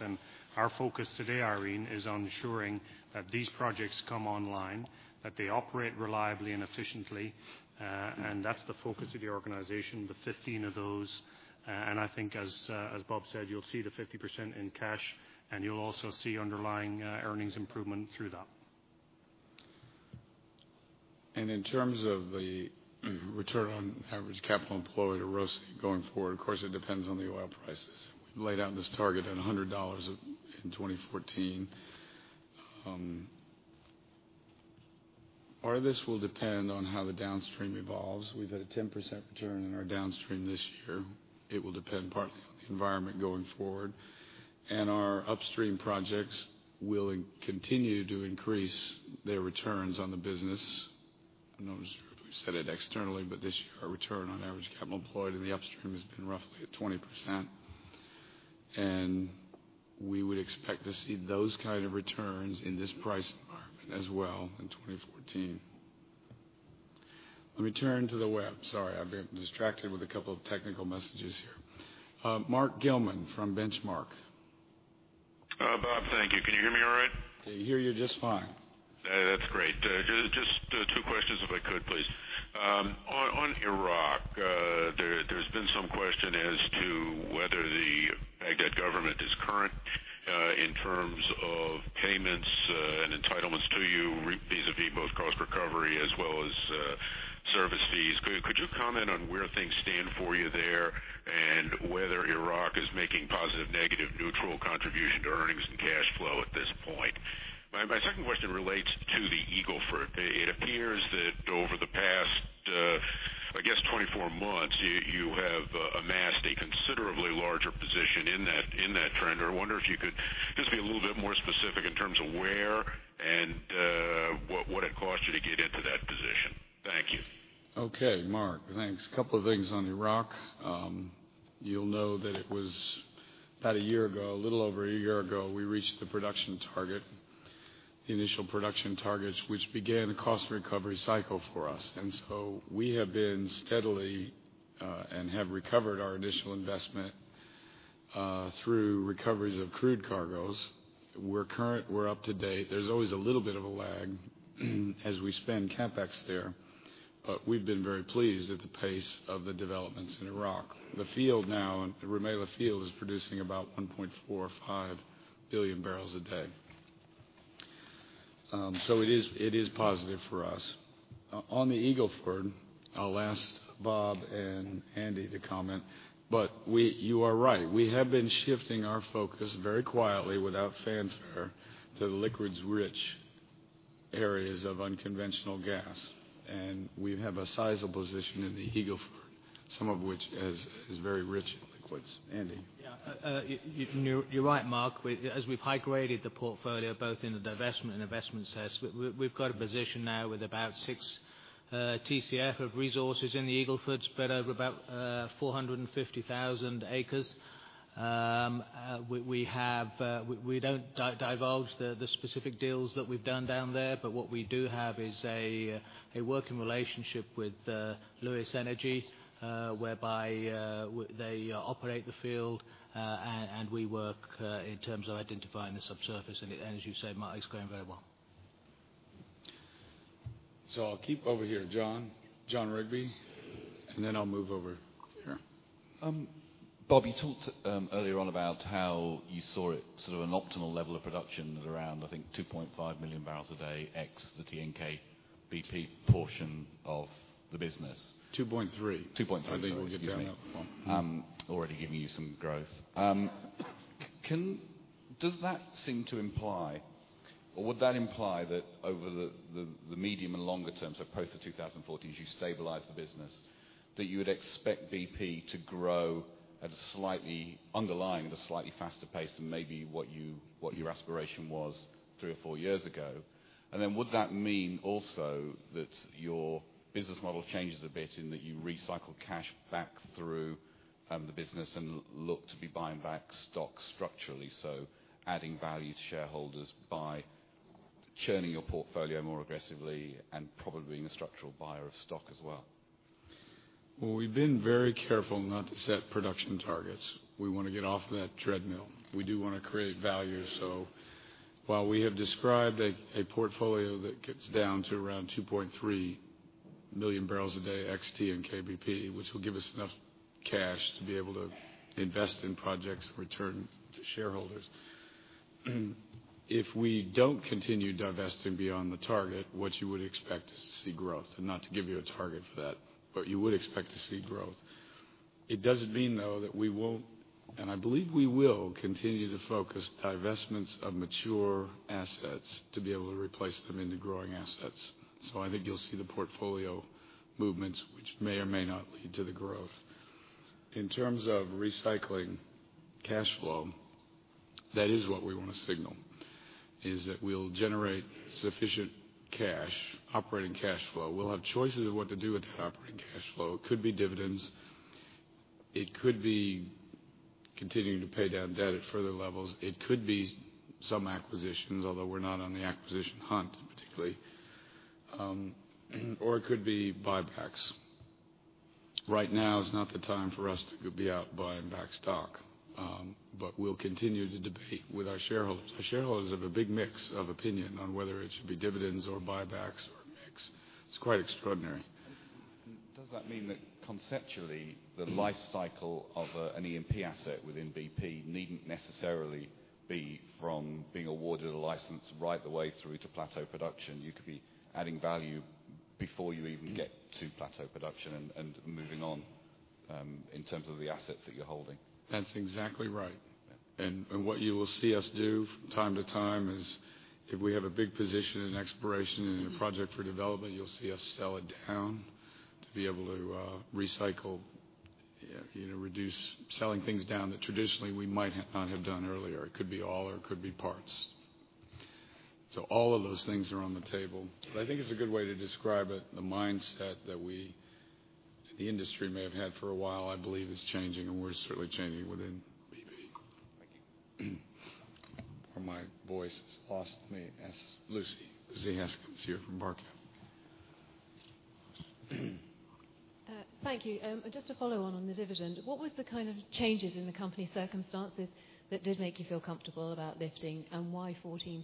Our focus today, Irene, is on ensuring that these projects come online, that they operate reliably and efficiently. That's the focus of the organization, the 15 of those. I think, as Bob said, you'll see the 50% in cash, and you'll also see underlying earnings improvement through that. In terms of the return on average capital employed or ROACE going forward, of course, it depends on the oil prices. Laid out in this target at $100 in 2014. Part of this will depend on how the downstream evolves. We've had a 10% return in our downstream this year. It will depend partly on the environment going forward. Our upstream projects will continue to increase their returns on the business. I know I said it externally, but this year, our return on average capital employed in the upstream has been roughly at 20%. We would expect to see those kinds of returns in this price environment as well in 2014. Let me turn to the web. Sorry, I've been distracted with a couple of technical messages here. Mark Gilman from Benchmark. Bob, thank you. Can you hear me all right? I hear you just fine. That's great. Just two questions, if I could, please. On Iraq, there's been some question as to whether the Baghdad government is current in terms of payments and entitlements to you, vis-à-vis both cost recovery as well as service fees. Could you comment on where things stand for you there and whether Iraq is making positive, negative, or neutral contribution to earnings and cash flow at this point? My second question relates to the Eagle Ford. It appears that over the past, I guess, 24 months, you have amassed a considerably larger position in that trend. I wonder if you could just be a little bit more specific in terms of where and what it cost you to get into that position. Thank you. Okay, Mark, thanks. A couple of things on Iraq. You'll know that it was about a year ago, a little over a year ago, we reached the production target, the initial production targets, which began a cost recovery cycle for us. We have been steadily and have recovered our initial investment through recoveries of crude cargoes. We're current, we're up to date. There's always a little bit of a lag as we spend CapEx there, but we've been very pleased at the pace of the developments in Iraq. The field now, and Rumaila Field, is producing about 1.45 million bbl a day. It is positive for us. On the Eagle Ford, I'll ask Bob and Andy to comment, but you are right. We have been shifting our focus very quietly without fanfare to the liquids-rich areas of unconventional gas. We have a sizable position in the Eagle Ford, some of which is very rich in liquids. Andy. Yeah, you're right, Mark. As we've high-graded the portfolio both in the divestment and investment, we've got a position now with about 6 TCF of resources in the Eagle Ford, but over about 450,000 acres. We don't divulge the specific deals that we've done down there, but what we do have is a working relationship with Lewis Energy, whereby they operate the field and we work in terms of identifying the subsurface. As you say, Mark, it's going very well. I'll keep over here, John, John [Redbean], and then I'll move over here. Bob, you talked earlier on about how you saw it, sort of an optimal level of production of around, I think, 2.5 million bbl of ex the TNK-BP portion of the business. 2.3 million bbl. I think we're good there. Already giving you some growth. Does that seem to imply, or would that imply that over the medium and longer term, so post-2014, as you stabilize the business, that you would expect BP to grow at a slightly underlying and a slightly faster pace than maybe what your aspiration was three or four years ago? Would that mean also that your business model changes a bit in that you recycle cash back through the business and look to be buying back stock structurally, adding value to shareholders by churning your portfolio more aggressively and probably being a structural buyer of stock as well. We've been very careful not to set production targets. We want to get off that treadmill. We do want to create value. While we have described a portfolio that gets down to around 2.3 million bbl of oil day XT, TNK-BP, which will give us enough cash to be able to invest in projects to return to shareholders. If we don't continue divesting beyond the target, what you would expect is to see growth, and not to give you a target for that, but you would expect to see growth. It doesn't mean though that we won't, and I believe we will continue to focus divestments of mature assets to be able to replace them into growing assets. I think you'll see the portfolio movements which may or may not lead to the growth. In terms of recycling cash flow, that is what we want to signal, is that we'll generate sufficient cash, operating cash flow. We'll have choices of what to do with that operating cash flow. It could be dividends. It could be continuing to pay down debt at further levels. It could be some acquisitions, although we're not on the acquisition hunt particularly. It could be buybacks. Right now is not the time for us to be out buying back stock, but we'll continue to debate with our shareholders. Our shareholders have a big mix of opinion on whether it should be dividends or buybacks or X. It's quite extraordinary. Does that mean that conceptually the lifecycle of an EMP asset within BP needn't necessarily be from being awarded a license right the way through to plateau production? You could be adding value before you even get to plateau production and moving on in terms of the assets that you're holding. That's exactly right. What you will see us do from time to time is if we have a big position in exploration and a project for development, you'll see us sell it down to be able to recycle, you know, reduce selling things down that traditionally we might not have done earlier. It could be all or it could be parts. All of those things are on the table. I think it's a good way to describe it. The mindset that we, the industry may have had for a while, I believe is changing, and we're certainly changing within BP. I think my voice lost me as Lucy [Zias] comes here from [Barclays Bank]. Thank you. Just to follow on the dividend, what were the kind of changes in the company circumstances that did make you feel comfortable about lifting, and why 14%?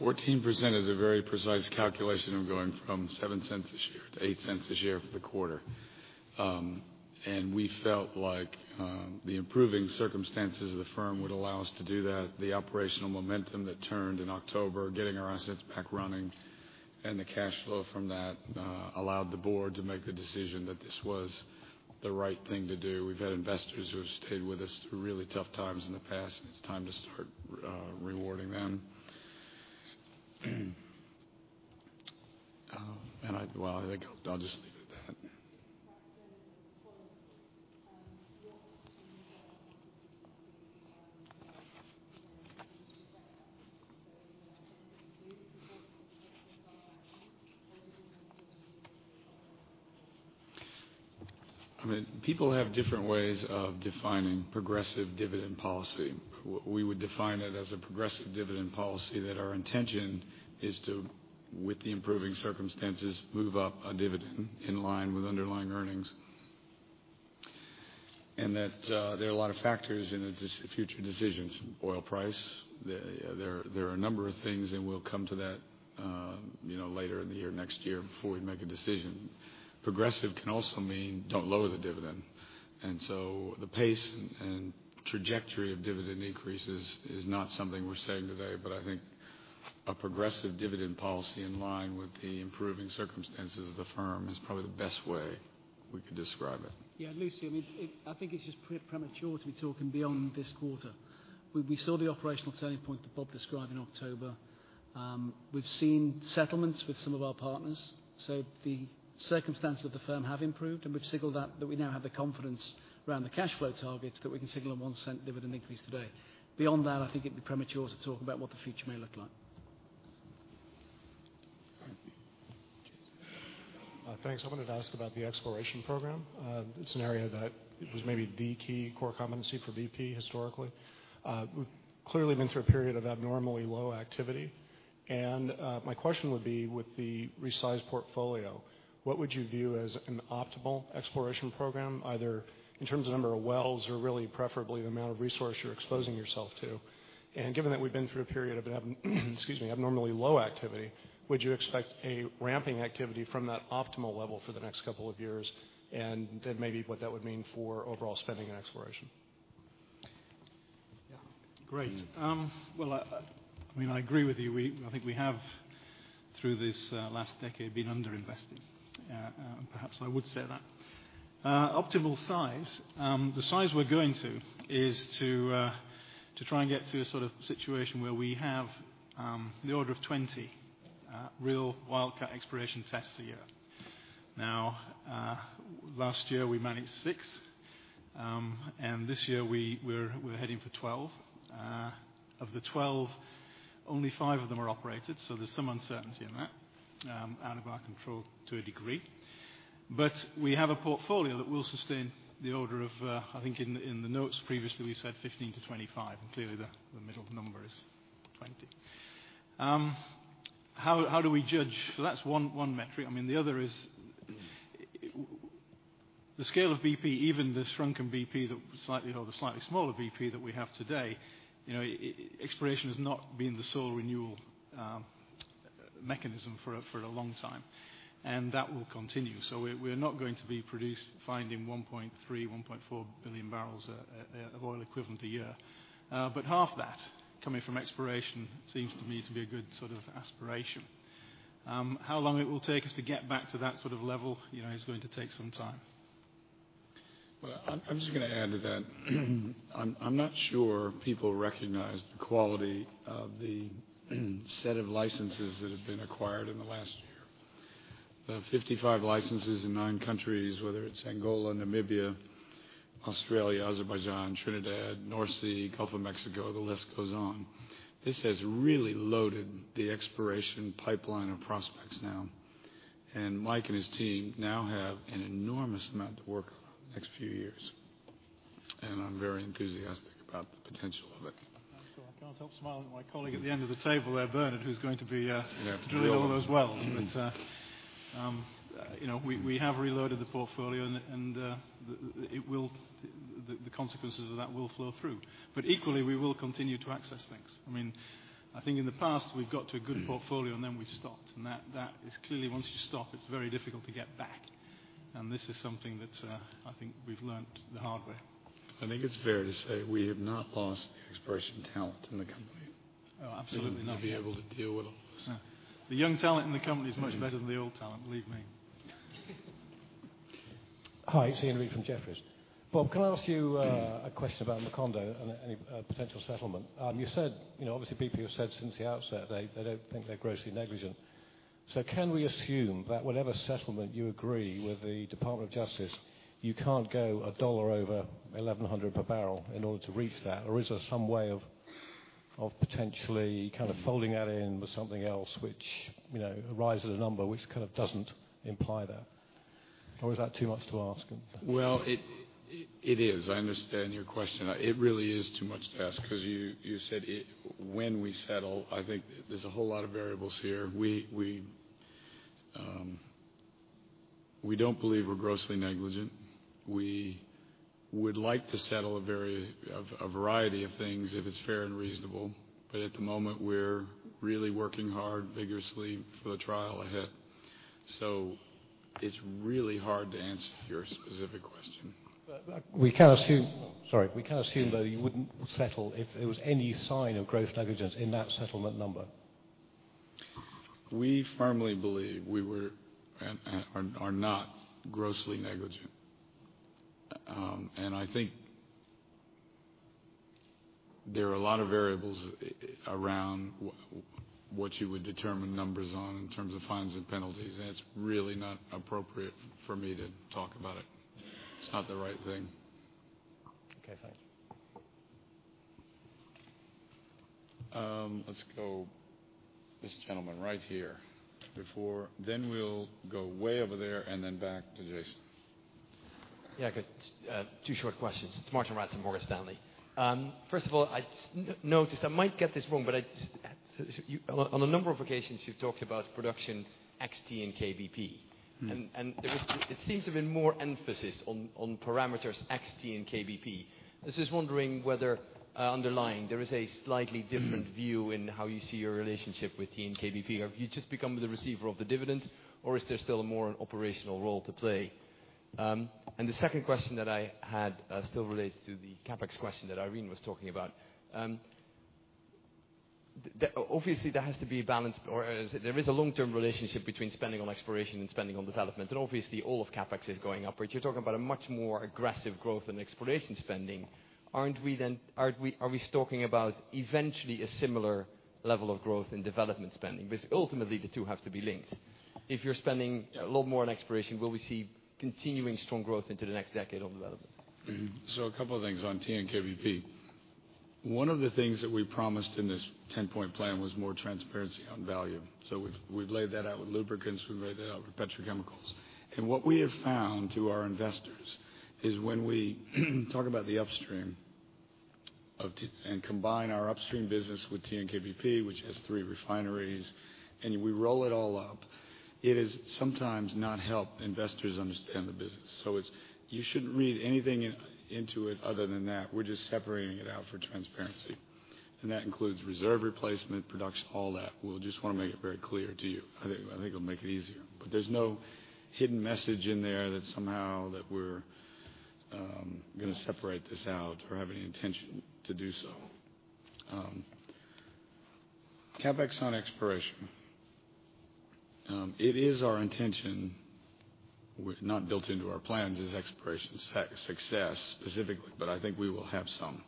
14% is a very precise calculation of going from $0.07 a share to $0.08 a share for the quarter. We felt like the improving circumstances of the firm would allow us to do that. The operational momentum that turned in October, getting our assets back running, and the cash flow from that allowed the board to make the decision that this was the right thing to do. We've had investors who have stayed with us through really tough times in the past, and it's time to start rewarding them. I think I'll just leave it at that. People have different ways of defining progressive dividend policy. We would define it as a progressive dividend policy that our intention is to, with the improving circumstances, move up a dividend in line with underlying earnings. There are a lot of factors in the future decisions. Oil price, there are a number of things, and we'll come to that later in the year, next year before we make a decision. Progressive can also mean don't lower the dividend. The pace and trajectory of dividend increases is not something we're saying today, but I think a progressive dividend policy in line with the improving circumstances of the firm is probably the best way we could describe it. Yeah, Lucy, I mean, I think it's just premature to be talking beyond this quarter. We saw the operational turning point that Bob described in October. We've seen settlements with some of our partners. The circumstances of the firm have improved, and we've signaled that we now have the confidence around the cash flow targets that we can signal a 1% dividend increase today. Beyond that, I think it'd be premature to talk about what the future may look like. Thanks. I wanted to ask about the exploration program, the scenario that it was maybe the key core competency for BP historically. We've clearly been through a period of abnormally low activity. My question would be, with the resized portfolio, what would you view as an optimal exploration program, either in terms of the number of wells or really preferably the amount of resource you're exposing yourself to? Given that we've been through a period of abnormally low activity, would you expect a ramping activity from that optimal level for the next couple of years? Maybe what that would mean for overall spending and exploration. Yeah, great. I agree with you. I think we have, through this last decade, been underinvested. Perhaps I would say that. Optimal size, the size we're going to is to try and get to a sort of situation where we have the order of 20 real wildcat exploration tests a year. Last year we managed six, and this year we're heading for 12. Of the 12, only five of them are operated, so there's some uncertainty in that out of our control to a degree. We have a portfolio that will sustain the order of, I think in the notes previously we said 15-25, and clearly the middle number is 20. How do we judge? That's one metric. The other is the scale of BP, even the shrunken BP or the slightly smaller BP that we have today. Exploration has not been the sole renewal mechanism for a long time, and that will continue. We're not going to be producing or finding 1.3 billion bbl, 1.4 billion bbl of oil equivalent a year. Half that coming from exploration seems to me to be a good sort of aspiration. How long it will take us to get back to that sort of level is going to take some time. I'm just going to add to that. I'm not sure people recognize the quality of the set of licenses that have been acquired in the last year. Fifty-five licenses in nine countries, whether it's Angola, Namibia, Australia, Azerbaijan, Trinidad, North Sea, Gulf of Mexico, the list goes on. This has really loaded the exploration pipeline of prospects now. Mike and his team now have an enormous amount to work on in the next few years. I'm very enthusiastic about the potential of it. I can't help smiling at my colleague at the end of the table there, Bernard, who's going to be drilling all those wells. We have reloaded the portfolio, and the consequences of that will flow through. Equally, we will continue to access things. I think in the past, we've got to a good portfolio, and then we've stopped. Once you stop, it's very difficult to get back. This is something that I think we've learned the hard way. I think it's fair to say we have not lost the expression talent in the company. Oh, absolutely not. To be able to deal with us. The young talent in the company is much better than the old talent, believe me. Hi, it's Ian Reed from Jefferies. Bob, can I ask you a question about Macondo and any potential settlement? You said, obviously people have said since the outset they don't think they're grossly negligent. Can we assume that whatever settlement you agree with the Department of Justice, you can't go a dollar over $1,100 per barrel in order to reach that? Is there some way of potentially kind of folding that in with something else, which arises a number which kind of doesn't imply that? Is that too much to ask? I understand your question. It really is too much to ask because you said when we settle, I think there's a whole lot of variables here. We don't believe we're grossly negligent. We would like to settle a variety of things if it's fair and reasonable. At the moment, we're really working hard vigorously for the trial ahead. It's really hard to answer your specific question. We can't assume that you wouldn't settle if there was any sign of gross negligence in that settlement number. We firmly believe we are not grossly negligent. I think there are a lot of variables around what you would determine numbers on in terms of fines and penalties. It's really not appropriate for me to talk about it. It's not the right thing. Okay, thanks. Let's go to this gentleman right here, then we'll go way over there and then back to Jason. Yeah, I got two short questions. It's Martijn Rats at Morgan Stanley. First of all, I noticed I might get this wrong, but on a number of occasions, you've talked about production, XT, and TNK-BP. There seems to have been more emphasis on parameters, XT, and TNK-BP. I was just wondering whether underlying there is a slightly different view in how you see your relationship with TNK-BP. Have you just become the receiver of the dividends, or is there still a more operational role to play? The second question that I had still relates to the CapEx question that Irene was talking about. Obviously, there has to be a balance, or there is a long-term relationship between spending on exploration and spending on development. Obviously, all of CapEx is going up, but you're talking about a much more aggressive growth in exploration spending. Aren't we then, are we talking about eventually a similar level of growth in development spending? Because ultimately, the two have to be linked. If you're spending a lot more on exploration, will we see continuing strong growth into the next decade on development? A couple of things on TNK-BP. One of the things that we promised in this 10-point plan was more transparency on value. We have laid that out with lubricants. We have laid that out with petrochemicals. What we have found to our investors is when we talk about the upstream and combine our upstream business with TNK-BP, which has three refineries, and we roll it all up, it is sometimes not helping investors understand the business. You should not read anything into it other than that. We are just separating it out for transparency. That includes reserve replacement, production, all that. We just want to make it very clear to you. I think it will make it easier. There is no hidden message in there that somehow we are going to separate this out or have any intention to do so. CapEx on exploration. It is our intention. We are not built into our plans as exploration success specifically, but I think we will have some.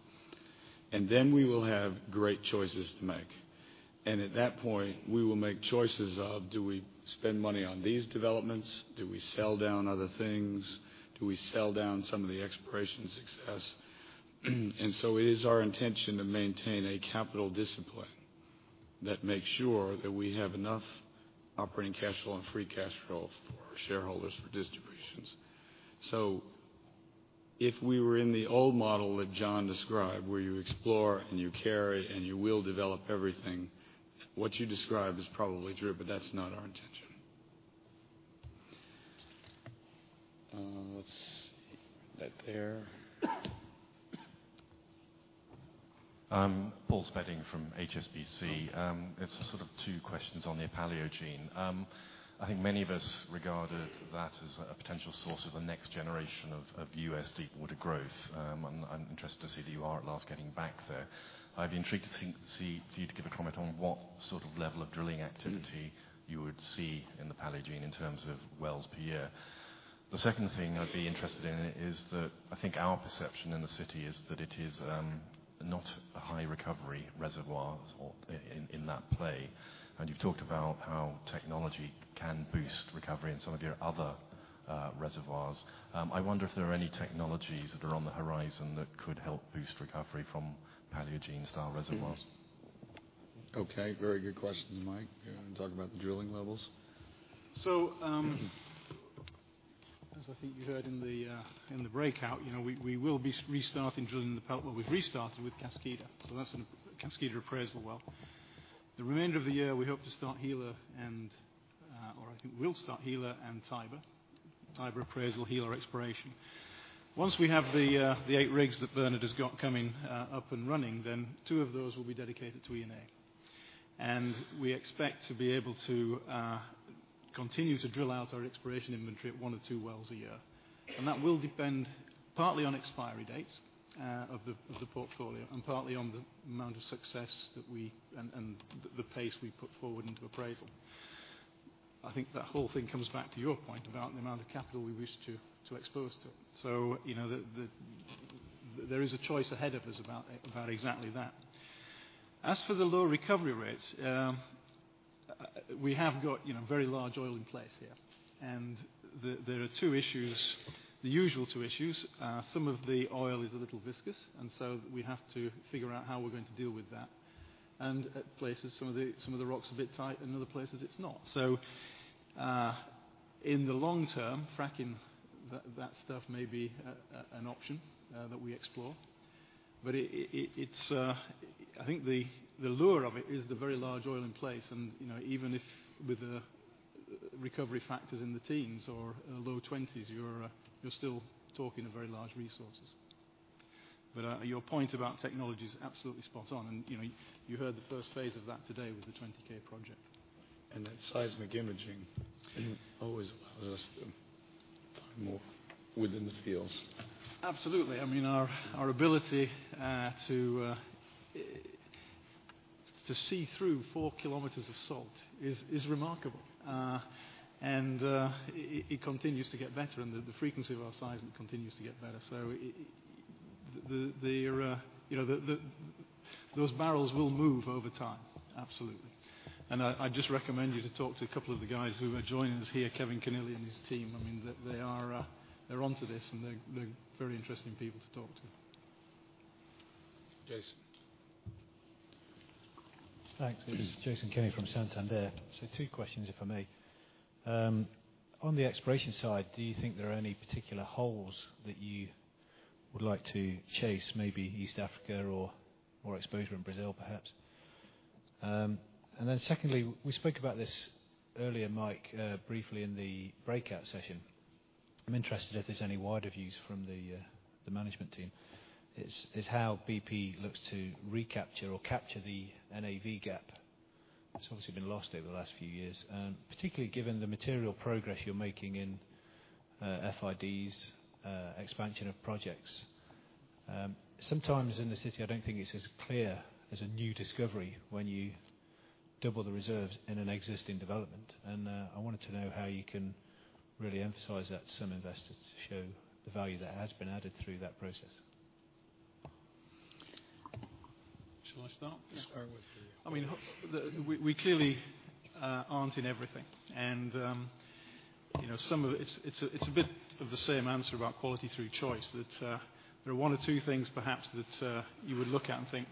We will have great choices to make. At that point, we will make choices of do we spend money on these developments? Do we sell down other things? Do we sell down some of the exploration success? It is our intention to maintain a capital discipline that makes sure that we have enough operating cash flow and free cash flow for shareholders for distributions. If we were in the old model that John described, where you explore and you carry and you will develop everything, what you describe is probably true, but that is not our intention. Let us see that there. Paul Spedding from HSBC. It's a sort of two questions on the Paleogene. I think many of us regarded that as a potential source of the next generation of U.S. deepwater growth. I'm interested to see that you are at last getting back there. I'd be intrigued to see you give a comment on what sort of level of drilling activity you would see in the Paleogene in terms of wells per year. The second thing I'd be interested in is that I think our perception in the city is that it is not a high recovery reservoir in that play. You've talked about how technology can boost recovery in some of your other reservoirs. I wonder if there are any technologies that are on the horizon that could help boost recovery from Paleogene style reservoirs. Okay, very good questions, Mike. Yeah, talk about the drilling levels. As I think you heard in the breakout, you know, we will be restarting drilling in the Pelton. We've restarted with Kaskida. That's a Kaskida appraisal well. The remainder of the year, we hope to start Gila, or I think we'll start Gila and Tiber. Tiber appraisal, Gila exploration. Once we have the eight rigs that Bernard has got coming up and running, two of those will be dedicated to E&A. We expect to be able to continue to drill out our exploration inventory at one or two wells a year. That will depend partly on expiry dates of the portfolio and partly on the amount of success that we and the pace we put forward into appraisal. I think that whole thing comes back to your point about the amount of capital we wish to expose to. There is a choice ahead of us about exactly that. As for the low recovery rates, we have got a very large oil in place here. There are two issues, the usual two issues. Some of the oil is a little viscous, and so we have to figure out how we're going to deal with that. At places, some of the rocks are a bit tight, and in other places, it's not. In the long term, fracking that stuff may be an option that we explore. I think the lure of it is the very large oil in place. Even if with the recovery factors in the teens or low 20s, you're still talking of very large resources. Your point about technology is absolutely spot on. You heard the first phase of that today with the Project 20K. Seismic imaging always allows us to be more within the field. Absolutely. I mean, our ability to see through 4 km of salt is remarkable. It continues to get better, and the frequency of our seismic continues to get better. Those barrels will move over time, absolutely. I'd just recommend you talk to a couple of the guys who are joining us here, Kevin Connelly and his team. They're onto this, and they're very interesting people to talk to. Jason. Thanks. It is Jason Kenney from Santander. Two questions, if I may. On the exploration side, do you think there are any particular holes that you would like to chase, maybe East Africa or exposure in Brazil, perhaps? Secondly, we spoke about this earlier, Mike, briefly in the breakout session. I'm interested if there's any wider views from the management team. It's how BP looks to recapture or capture the NAV gap. It's obviously been lost over the last few years, particularly given the material progress you're making in FIDs, expansion of projects. Sometimes in the city, I don't think it's as clear as a new discovery when you double the reserves in an existing development. I wanted to know how you can really emphasize that to some investors to show the value that has been added through that process. Shall I start? Yeah, go ahead. I mean, we clearly aren't in everything. You know, some of it, it's a bit of the same answer about quality through choice that there are one or two things perhaps that you would look at and think,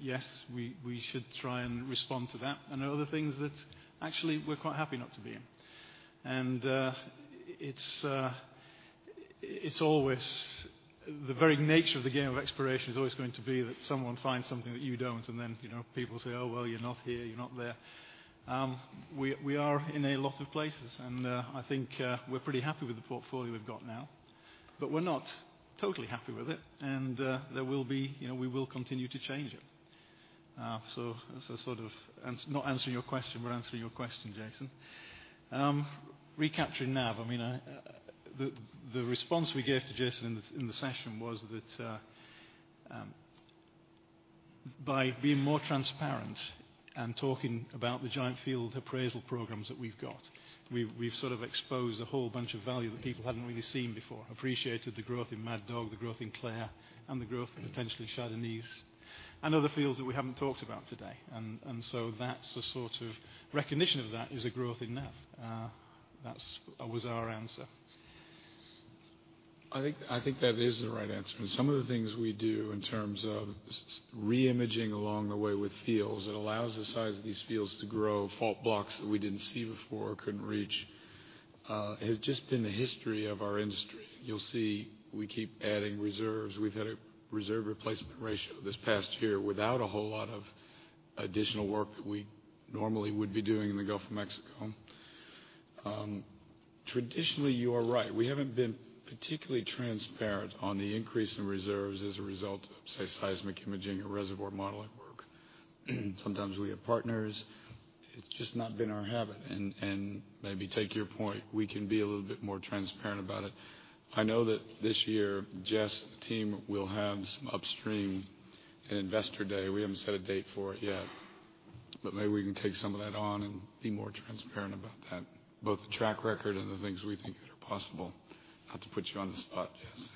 yes, we should try and respond to that. There are other things that actually we're quite happy not to be in. It's always the very nature of the game of exploration, it's always going to be that someone finds something that you don't, and then people say, oh, well, you're not here, you're not there. We are in a lot of places, and I think we're pretty happy with the portfolio we've got now. We're not totally happy with it, and we will continue to change it. That's a sort of, and not answering your question, but answering your question, Jason. Recapturing NAV, the response we gave to Jason in the session was that by being more transparent and talking about the giant field appraisal programs that we've got, we've sort of exposed a whole bunch of value that people hadn't really seen before. I appreciated the growth in Mad Dog, the growth in Clair, and the growth in potentially Shah Deniz and other fields that we haven't talked about today. That's the sort of recognition of that is a growth in NAV. That was our answer. I think that is the right answer. Some of the things we do in terms of re-imaging along the way with fields allow the size of these fields to grow, fault blocks that we did not see before or could not reach. It has just been the history of our industry. You will see we keep adding reserves. We have had a reserve replacement ratio this past year without a whole lot of additional work that we normally would be doing in the Gulf of Mexico. Traditionally, you are right, we have not been particularly transparent on the increase in reserves as a result of, say, seismic imaging or reservoir modeling. Sometimes we have partners. It is just not been our habit. Maybe, to take your point, we can be a little bit more transparent about it. I know that this year, Jess, the team will have some upstream and investor day. We have not set a date for it yet, but maybe we can take some of that on and be more transparent about that, both the track record and the things we think are possible. Not to put you on the spot, Jess.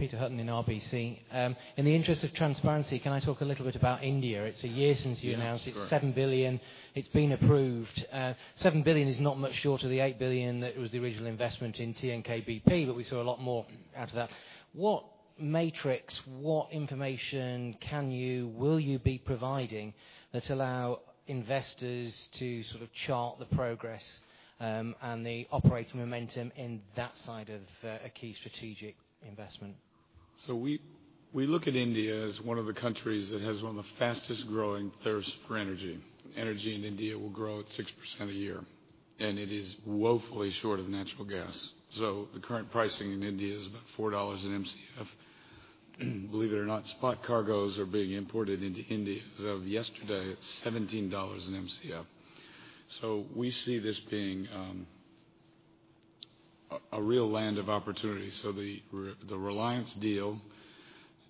In the interest of transparency, can I talk a little bit about India? It's a year since you announced $7 billion. It's been approved. $7 billion is not much shorter than the $8 billion that was the original investment in TNK-BP, but we saw a lot more out of that. What matrix, what information can you, will you be providing that allows investors to sort of chart the progress and the operating momentum in that side of a key strategic investment? We look at India as one of the countries that has one of the fastest growing thirsts for energy. Energy in India will grow at 6% a year, and it is woefully short of natural gas. The current pricing in India is about $4 an MCF. Believe it or not, spot cargoes are being imported into India as of yesterday at $17 an MCF. We see this being a real land of opportunity. The Reliance deal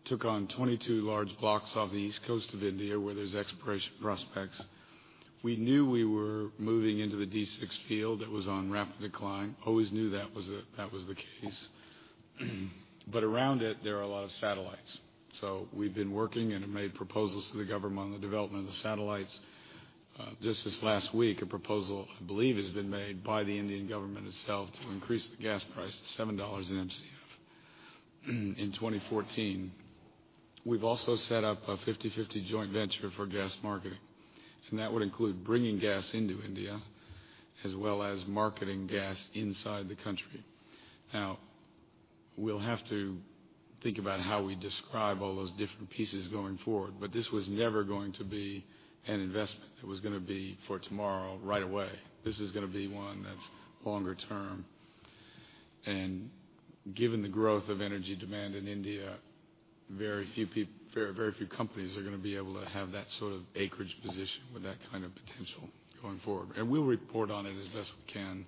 took on 22 large blocks off the east coast of India where there are exploration prospects. We knew we were moving into the D6 field that was on rapid decline. Always knew that was the case, but around it, there are a lot of satellites. We have been working and have made proposals to the government on the development of the satellites. Just this last week, a proposal, I believe, has been made by the Indian government itself to increase the gas price to $7 an MCF in 2014. We've also set up a 50/50 joint venture for gas marketing, and that would include bringing gas into India as well as marketing gas inside the country. Now, we'll have to think about how we describe all those different pieces going forward. This was never going to be an investment that was going to be for tomorrow right away. This is going to be one that's longer term, and given the growth of energy demand in India, very few people, very few companies are going to be able to have that sort of acreage position with that kind of potential going forward. We'll report on it as best we can.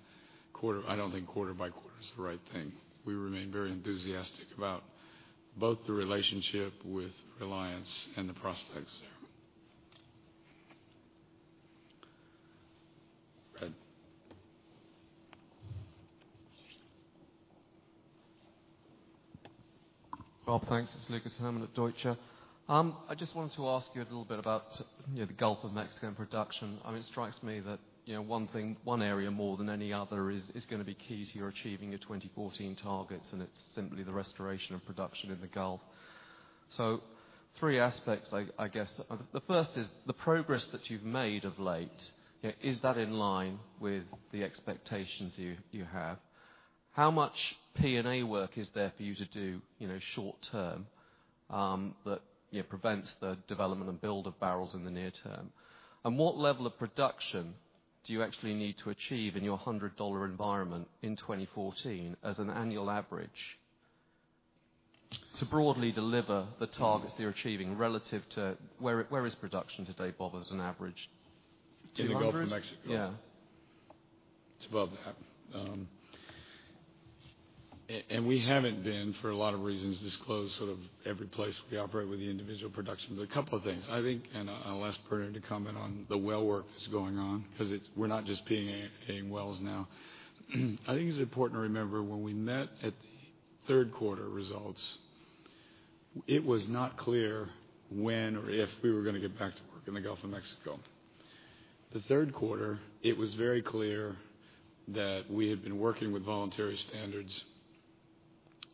I don't think quarter by quarter is the right thing. We remain very enthusiastic about both the relationship with Reliance and the prospects there. Bob, thanks. It's Lucas Herrmann at Deutsche. I just wanted to ask you a little bit about the Gulf of Mexico and production. It strikes me that one thing, one area more than any other is going to be key to your achieving your 2014 targets, and it's simply the restoration of production in the Gulf. Three aspects, I guess. The first is the progress that you've made of late. Is that in line with the expectations you have? How much P&A work is there for you to do short term that prevents the development and build of barrels in the near term? What level of production do you actually need to achieve in your $100 environment in 2014 as an annual average to broadly deliver the targets that you're achieving relative to where is production today, Bob, as an average? To the Gulf of Mexico? Yeah. It's above that. We haven't been, for a lot of reasons, disclosed sort of every place we operate with the individual production, but a couple of things. I think, and I'll ask Bernard to comment on the well work that's going on because we're not just P&Aing wells now. It's important to remember when we met at the third quarter results, it was not clear when or if we were going to get back to work in the Gulf of Mexico. The third quarter, it was very clear that we had been working with voluntary standards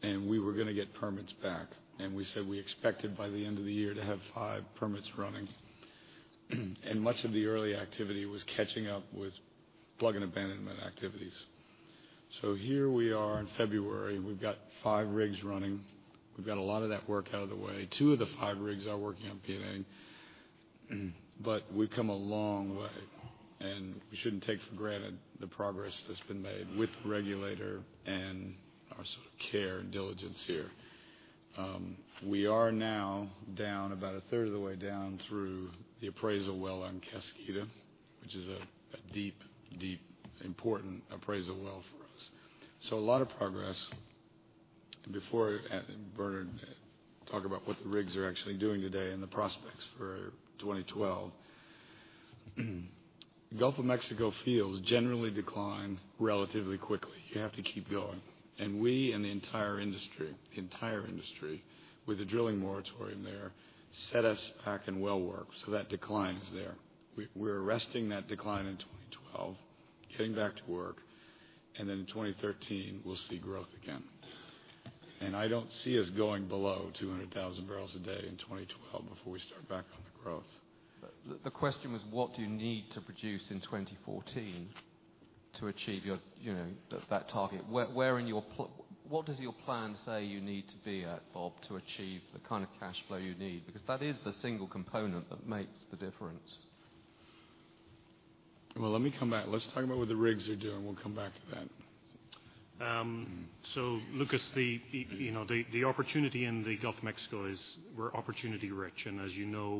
and we were going to get permits back. We said we expected by the end of the year to have five permits running. Much of the early activity was catching up with plug-in abandonment activities. Here we are in February, we've got five rigs running. We've got a lot of that work out of the way. Two of the five rigs are working on P&Aing. We've come a long way. We shouldn't take for granted the progress that's been made with the regulator and our sort of care and diligence here. We are now about a 1/3 of the way down through the appraisal well on Kaskida, which is a deep, deep, important appraisal well for us. A lot of progress. Before Bernard talks about what the rigs are actually doing today and the prospects for 2012, Gulf of Mexico fields generally decline relatively quickly. You have to keep going. We and the entire industry, with the drilling moratorium there, set us back in well work. That decline is there. We're arresting that decline in 2012, getting back to work, and then in 2013, we'll see growth again. I don't see us going below 200,000 bbl a day in 2012 before we start back on the growth. The question was, what do you need to produce in 2014 to achieve your, you know, that target? Where in your, what does your plan say you need to be at, Bob, to achieve the kind of cash flow you need? That is the single component that makes the difference. Let me come back. Let's talk about what the rigs are doing. We'll come back to that. Lucas, the opportunity in the Gulf of Mexico is we're opportunity-rich. As you know,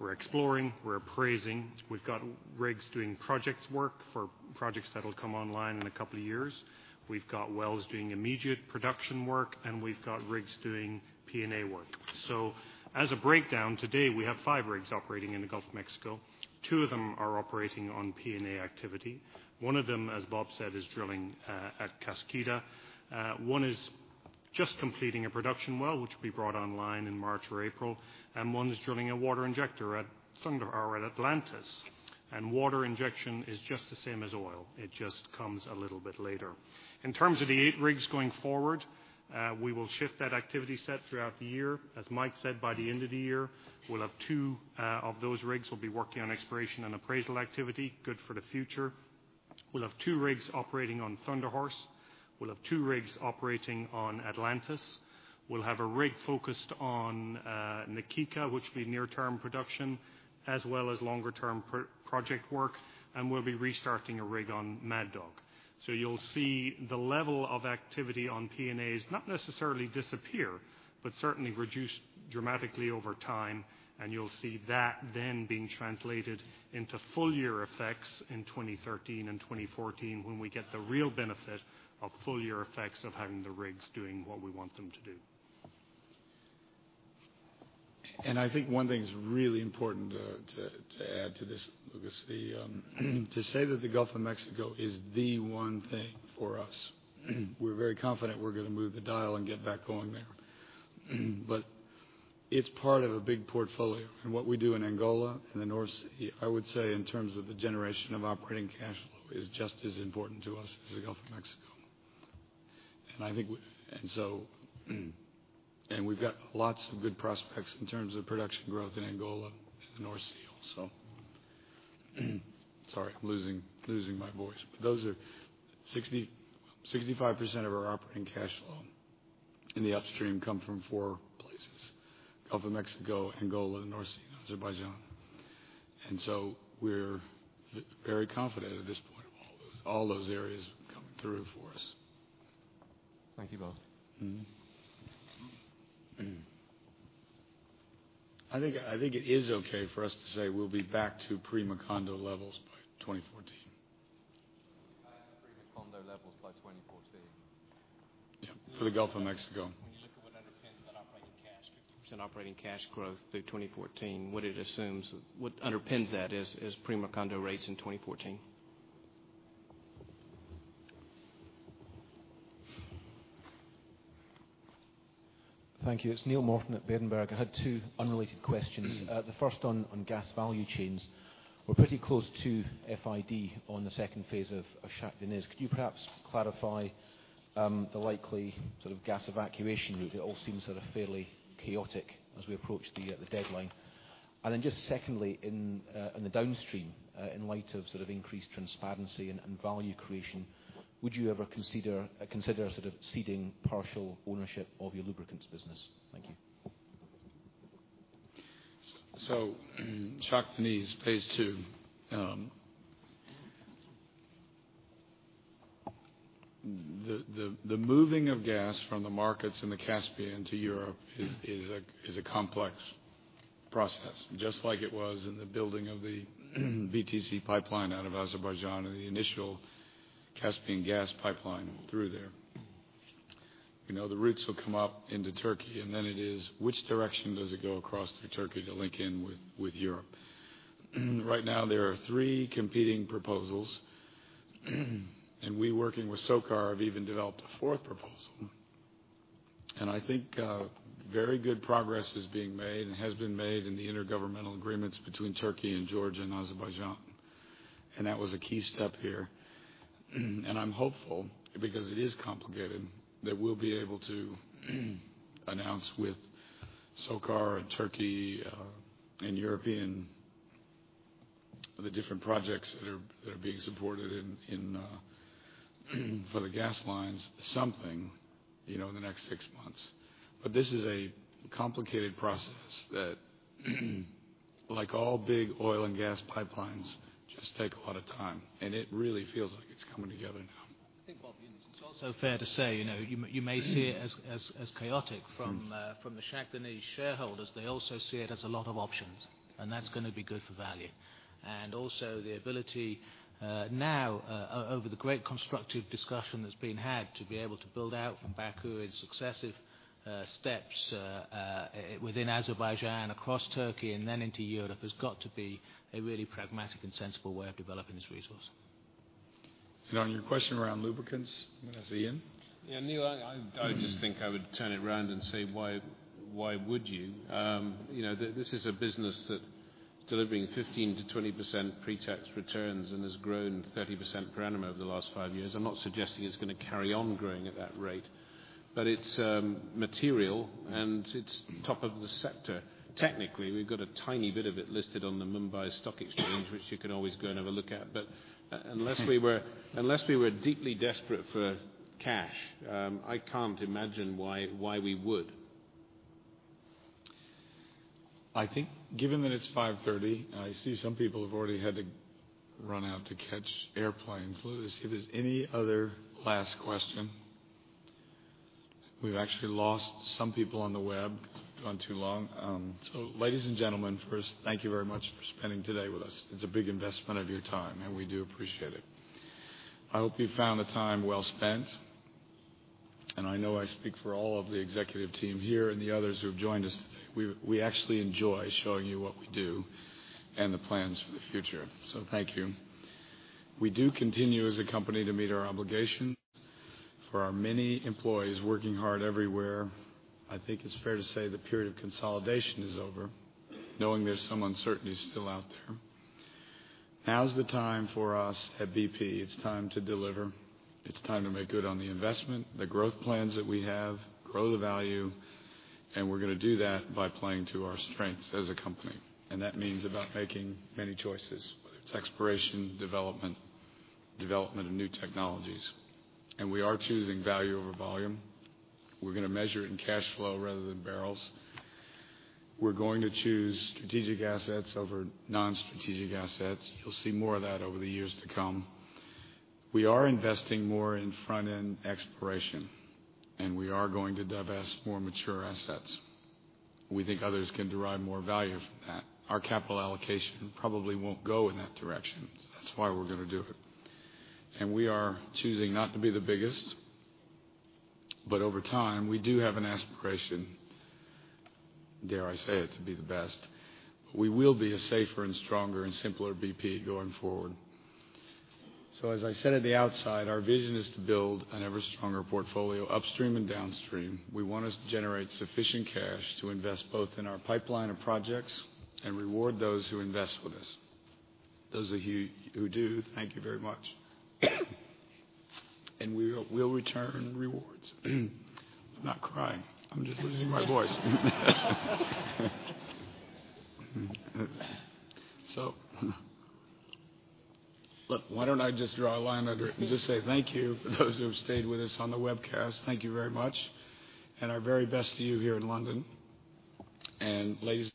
we're exploring, we're appraising. We've got rigs doing project work for projects that will come online in a couple of years. We've got wells doing immediate production work, and we've got rigs doing P&A work. As a breakdown today, we have five rigs operating in the Gulf of Mexico. Two of them are operating on P&A activity. One of them, as Bob said, is drilling at Kaskida. One is just completing a production well, which will be brought online in March or April. One is drilling a water injector at Atlantis. Water injection is just the same as oil. It just comes a little bit later. In terms of the eight rigs going forward, we will shift that activity set throughout the year. As Mike said, by the end of the year, two of those rigs will be working on exploration and appraisal activity, good for the future. We'll have two rigs operating on Thunder Horse. We'll have two rigs operating on Atlantis. We'll have a rig focused on Na Kika, which will be near-term production as well as longer-term project work. We'll be restarting a rig on Mad Dog. You'll see the level of activity on P&As not necessarily disappear, but certainly reduce dramatically over time. You'll see that then being translated into full-year effects in 2013 and 2014 when we get the real benefit of full-year effects of having the rigs doing what we want them to do. I think one thing's really important to add to this, Lucas, to say that the Gulf of Mexico is the one thing for us. We're very confident we're going to move the dial and get back on there. It's part of a big portfolio. What we do in Angola and the North Sea, I would say in terms of the generation of operating cash, is just as important to us as the Gulf of Mexico. We've got lots of good prospects in terms of production growth in Angola and the North Sea also. Sorry, I'm losing my voice. Those are 65% of our operating cash flow in the upstream come from four places: Gulf of Mexico, Angola, and North Azerbaijan. We're very confident at this point. All those areas come through for us. Thank you both. I think it is okay for us to say we'll be back to pre-Macondo levels by 2014. Pre-Macondo levels by 2014. For the Gulf of Mexico. When you look at what underpins that operating cash, 50% operating cash growth through 2014, what it assumes, what underpins that is pre-Macondo rates in 2014. Thank you. It's Neil Morton at Berenberg. I had two unrelated questions. The first on gas value chains. We're pretty close to FID on the second phase of Shah Deniz. Could you perhaps clarify the likely sort of gas evacuation route? It all seems sort of fairly chaotic as we approach the deadline. Secondly, in the downstream, in light of increased transparency and value creation, would you ever consider seeding partial ownership of your lubricants business? Thank you. Shah Deniz pays to the moving of gas from the markets in the Caspian to Europe is a complex process, just like it was in the building of the BTC pipeline out of Azerbaijan and the initial Caspian gas pipeline through there. The routes will come up into Turkey, and then it is which direction does it go across through Turkey to link in with Europe? Right now, there are three competing proposals, and we, working with SOCAR, have even developed a fourth proposal. I think very good progress is being made and has been made in the intergovernmental agreements between Turkey, Georgia, and Azerbaijan. That was a key step here. I'm hopeful, because it is complicated, that we'll be able to announce with SOCAR, Turkey, and European the different projects that are being supported for the gas lines, something in the next six months. This is a complicated process that, like all big oil and gas pipelines, just takes a lot of time. It really feels like it's coming together now. I think, Bob, it's also fair to say, you know, you may see it as chaotic from the Shah Deniz shareholders. They also see it as a lot of options. That's going to be good for value. Also, the ability now, over the great constructive discussion that's been had, to be able to build out from Baku in successive steps within Azerbaijan, across Turkey, and then into Europe has got to be a really pragmatic and sensible way of developing this resource. On your question around lubricants, I'm going to say, Iain. Yeah. Neil, I just think I would turn it around and say, why would you? You know, this is a business that's delivering 15%-20% pre-tax returns and has grown 30% per annum over the last five years. I'm not suggesting it's going to carry on growing at that rate. It is material and it's top of the sector. Technically, we've got a tiny bit of it listed on the Mumbai Stock Exchange, which you can always go and have a look at. Unless we were deeply desperate for cash, I can't imagine why we would. I think given that it's 5:30 P.M., I see some people have already had to run out to catch airplanes. Let's see if there's any other last question. We've actually lost some people on the web. We've gone too long. Ladies and gentlemen, first, thank you very much for spending today with us. It's a big investment of your time, and we do appreciate it. I hope you've found it a time well spent. I know I speak for all of the executive team here and the others who have joined us today. We actually enjoy showing you what we do and the plans for the future. Thank you. We do continue as a company to meet our obligation for our many employees working hard everywhere. I think it's fair to say the period of consolidation is over, knowing there's some uncertainty still out there. Now's the time for us at BP. It's time to deliver. It's time to make good on the investment, the growth plans that we have, grow the value, and we're going to do that by playing to our strengths as a company. That means making many choices: exploration, development, development of new technologies. We are choosing value over volume. We're going to measure it in cash flow rather than barrels. We're going to choose strategic assets over non-strategic assets. You'll see more of that over the years to come. We are investing more in front-end exploration, and we are going to divest more mature assets. We think others can derive more value from that. Our capital allocation probably won't go in that direction. That's why we're going to do it. We are choosing not to be the biggest, but over time, we do have an aspiration, dare I say it, to be the best. We will be a safer and stronger and simpler BP going forward. As I said at the outset, our vision is to build an ever-stronger portfolio upstream and downstream. We want to generate sufficient cash to invest both in our pipeline of projects and reward those who invest with us. Those of you who do, thank you very much. We will return rewards. I'm not crying. I'm just losing my voice. Why don't I just drop. I'm Going to just say thank you to those who have stayed with us on the webcast. Thank you very much, and our very best to you here in London. And ladies.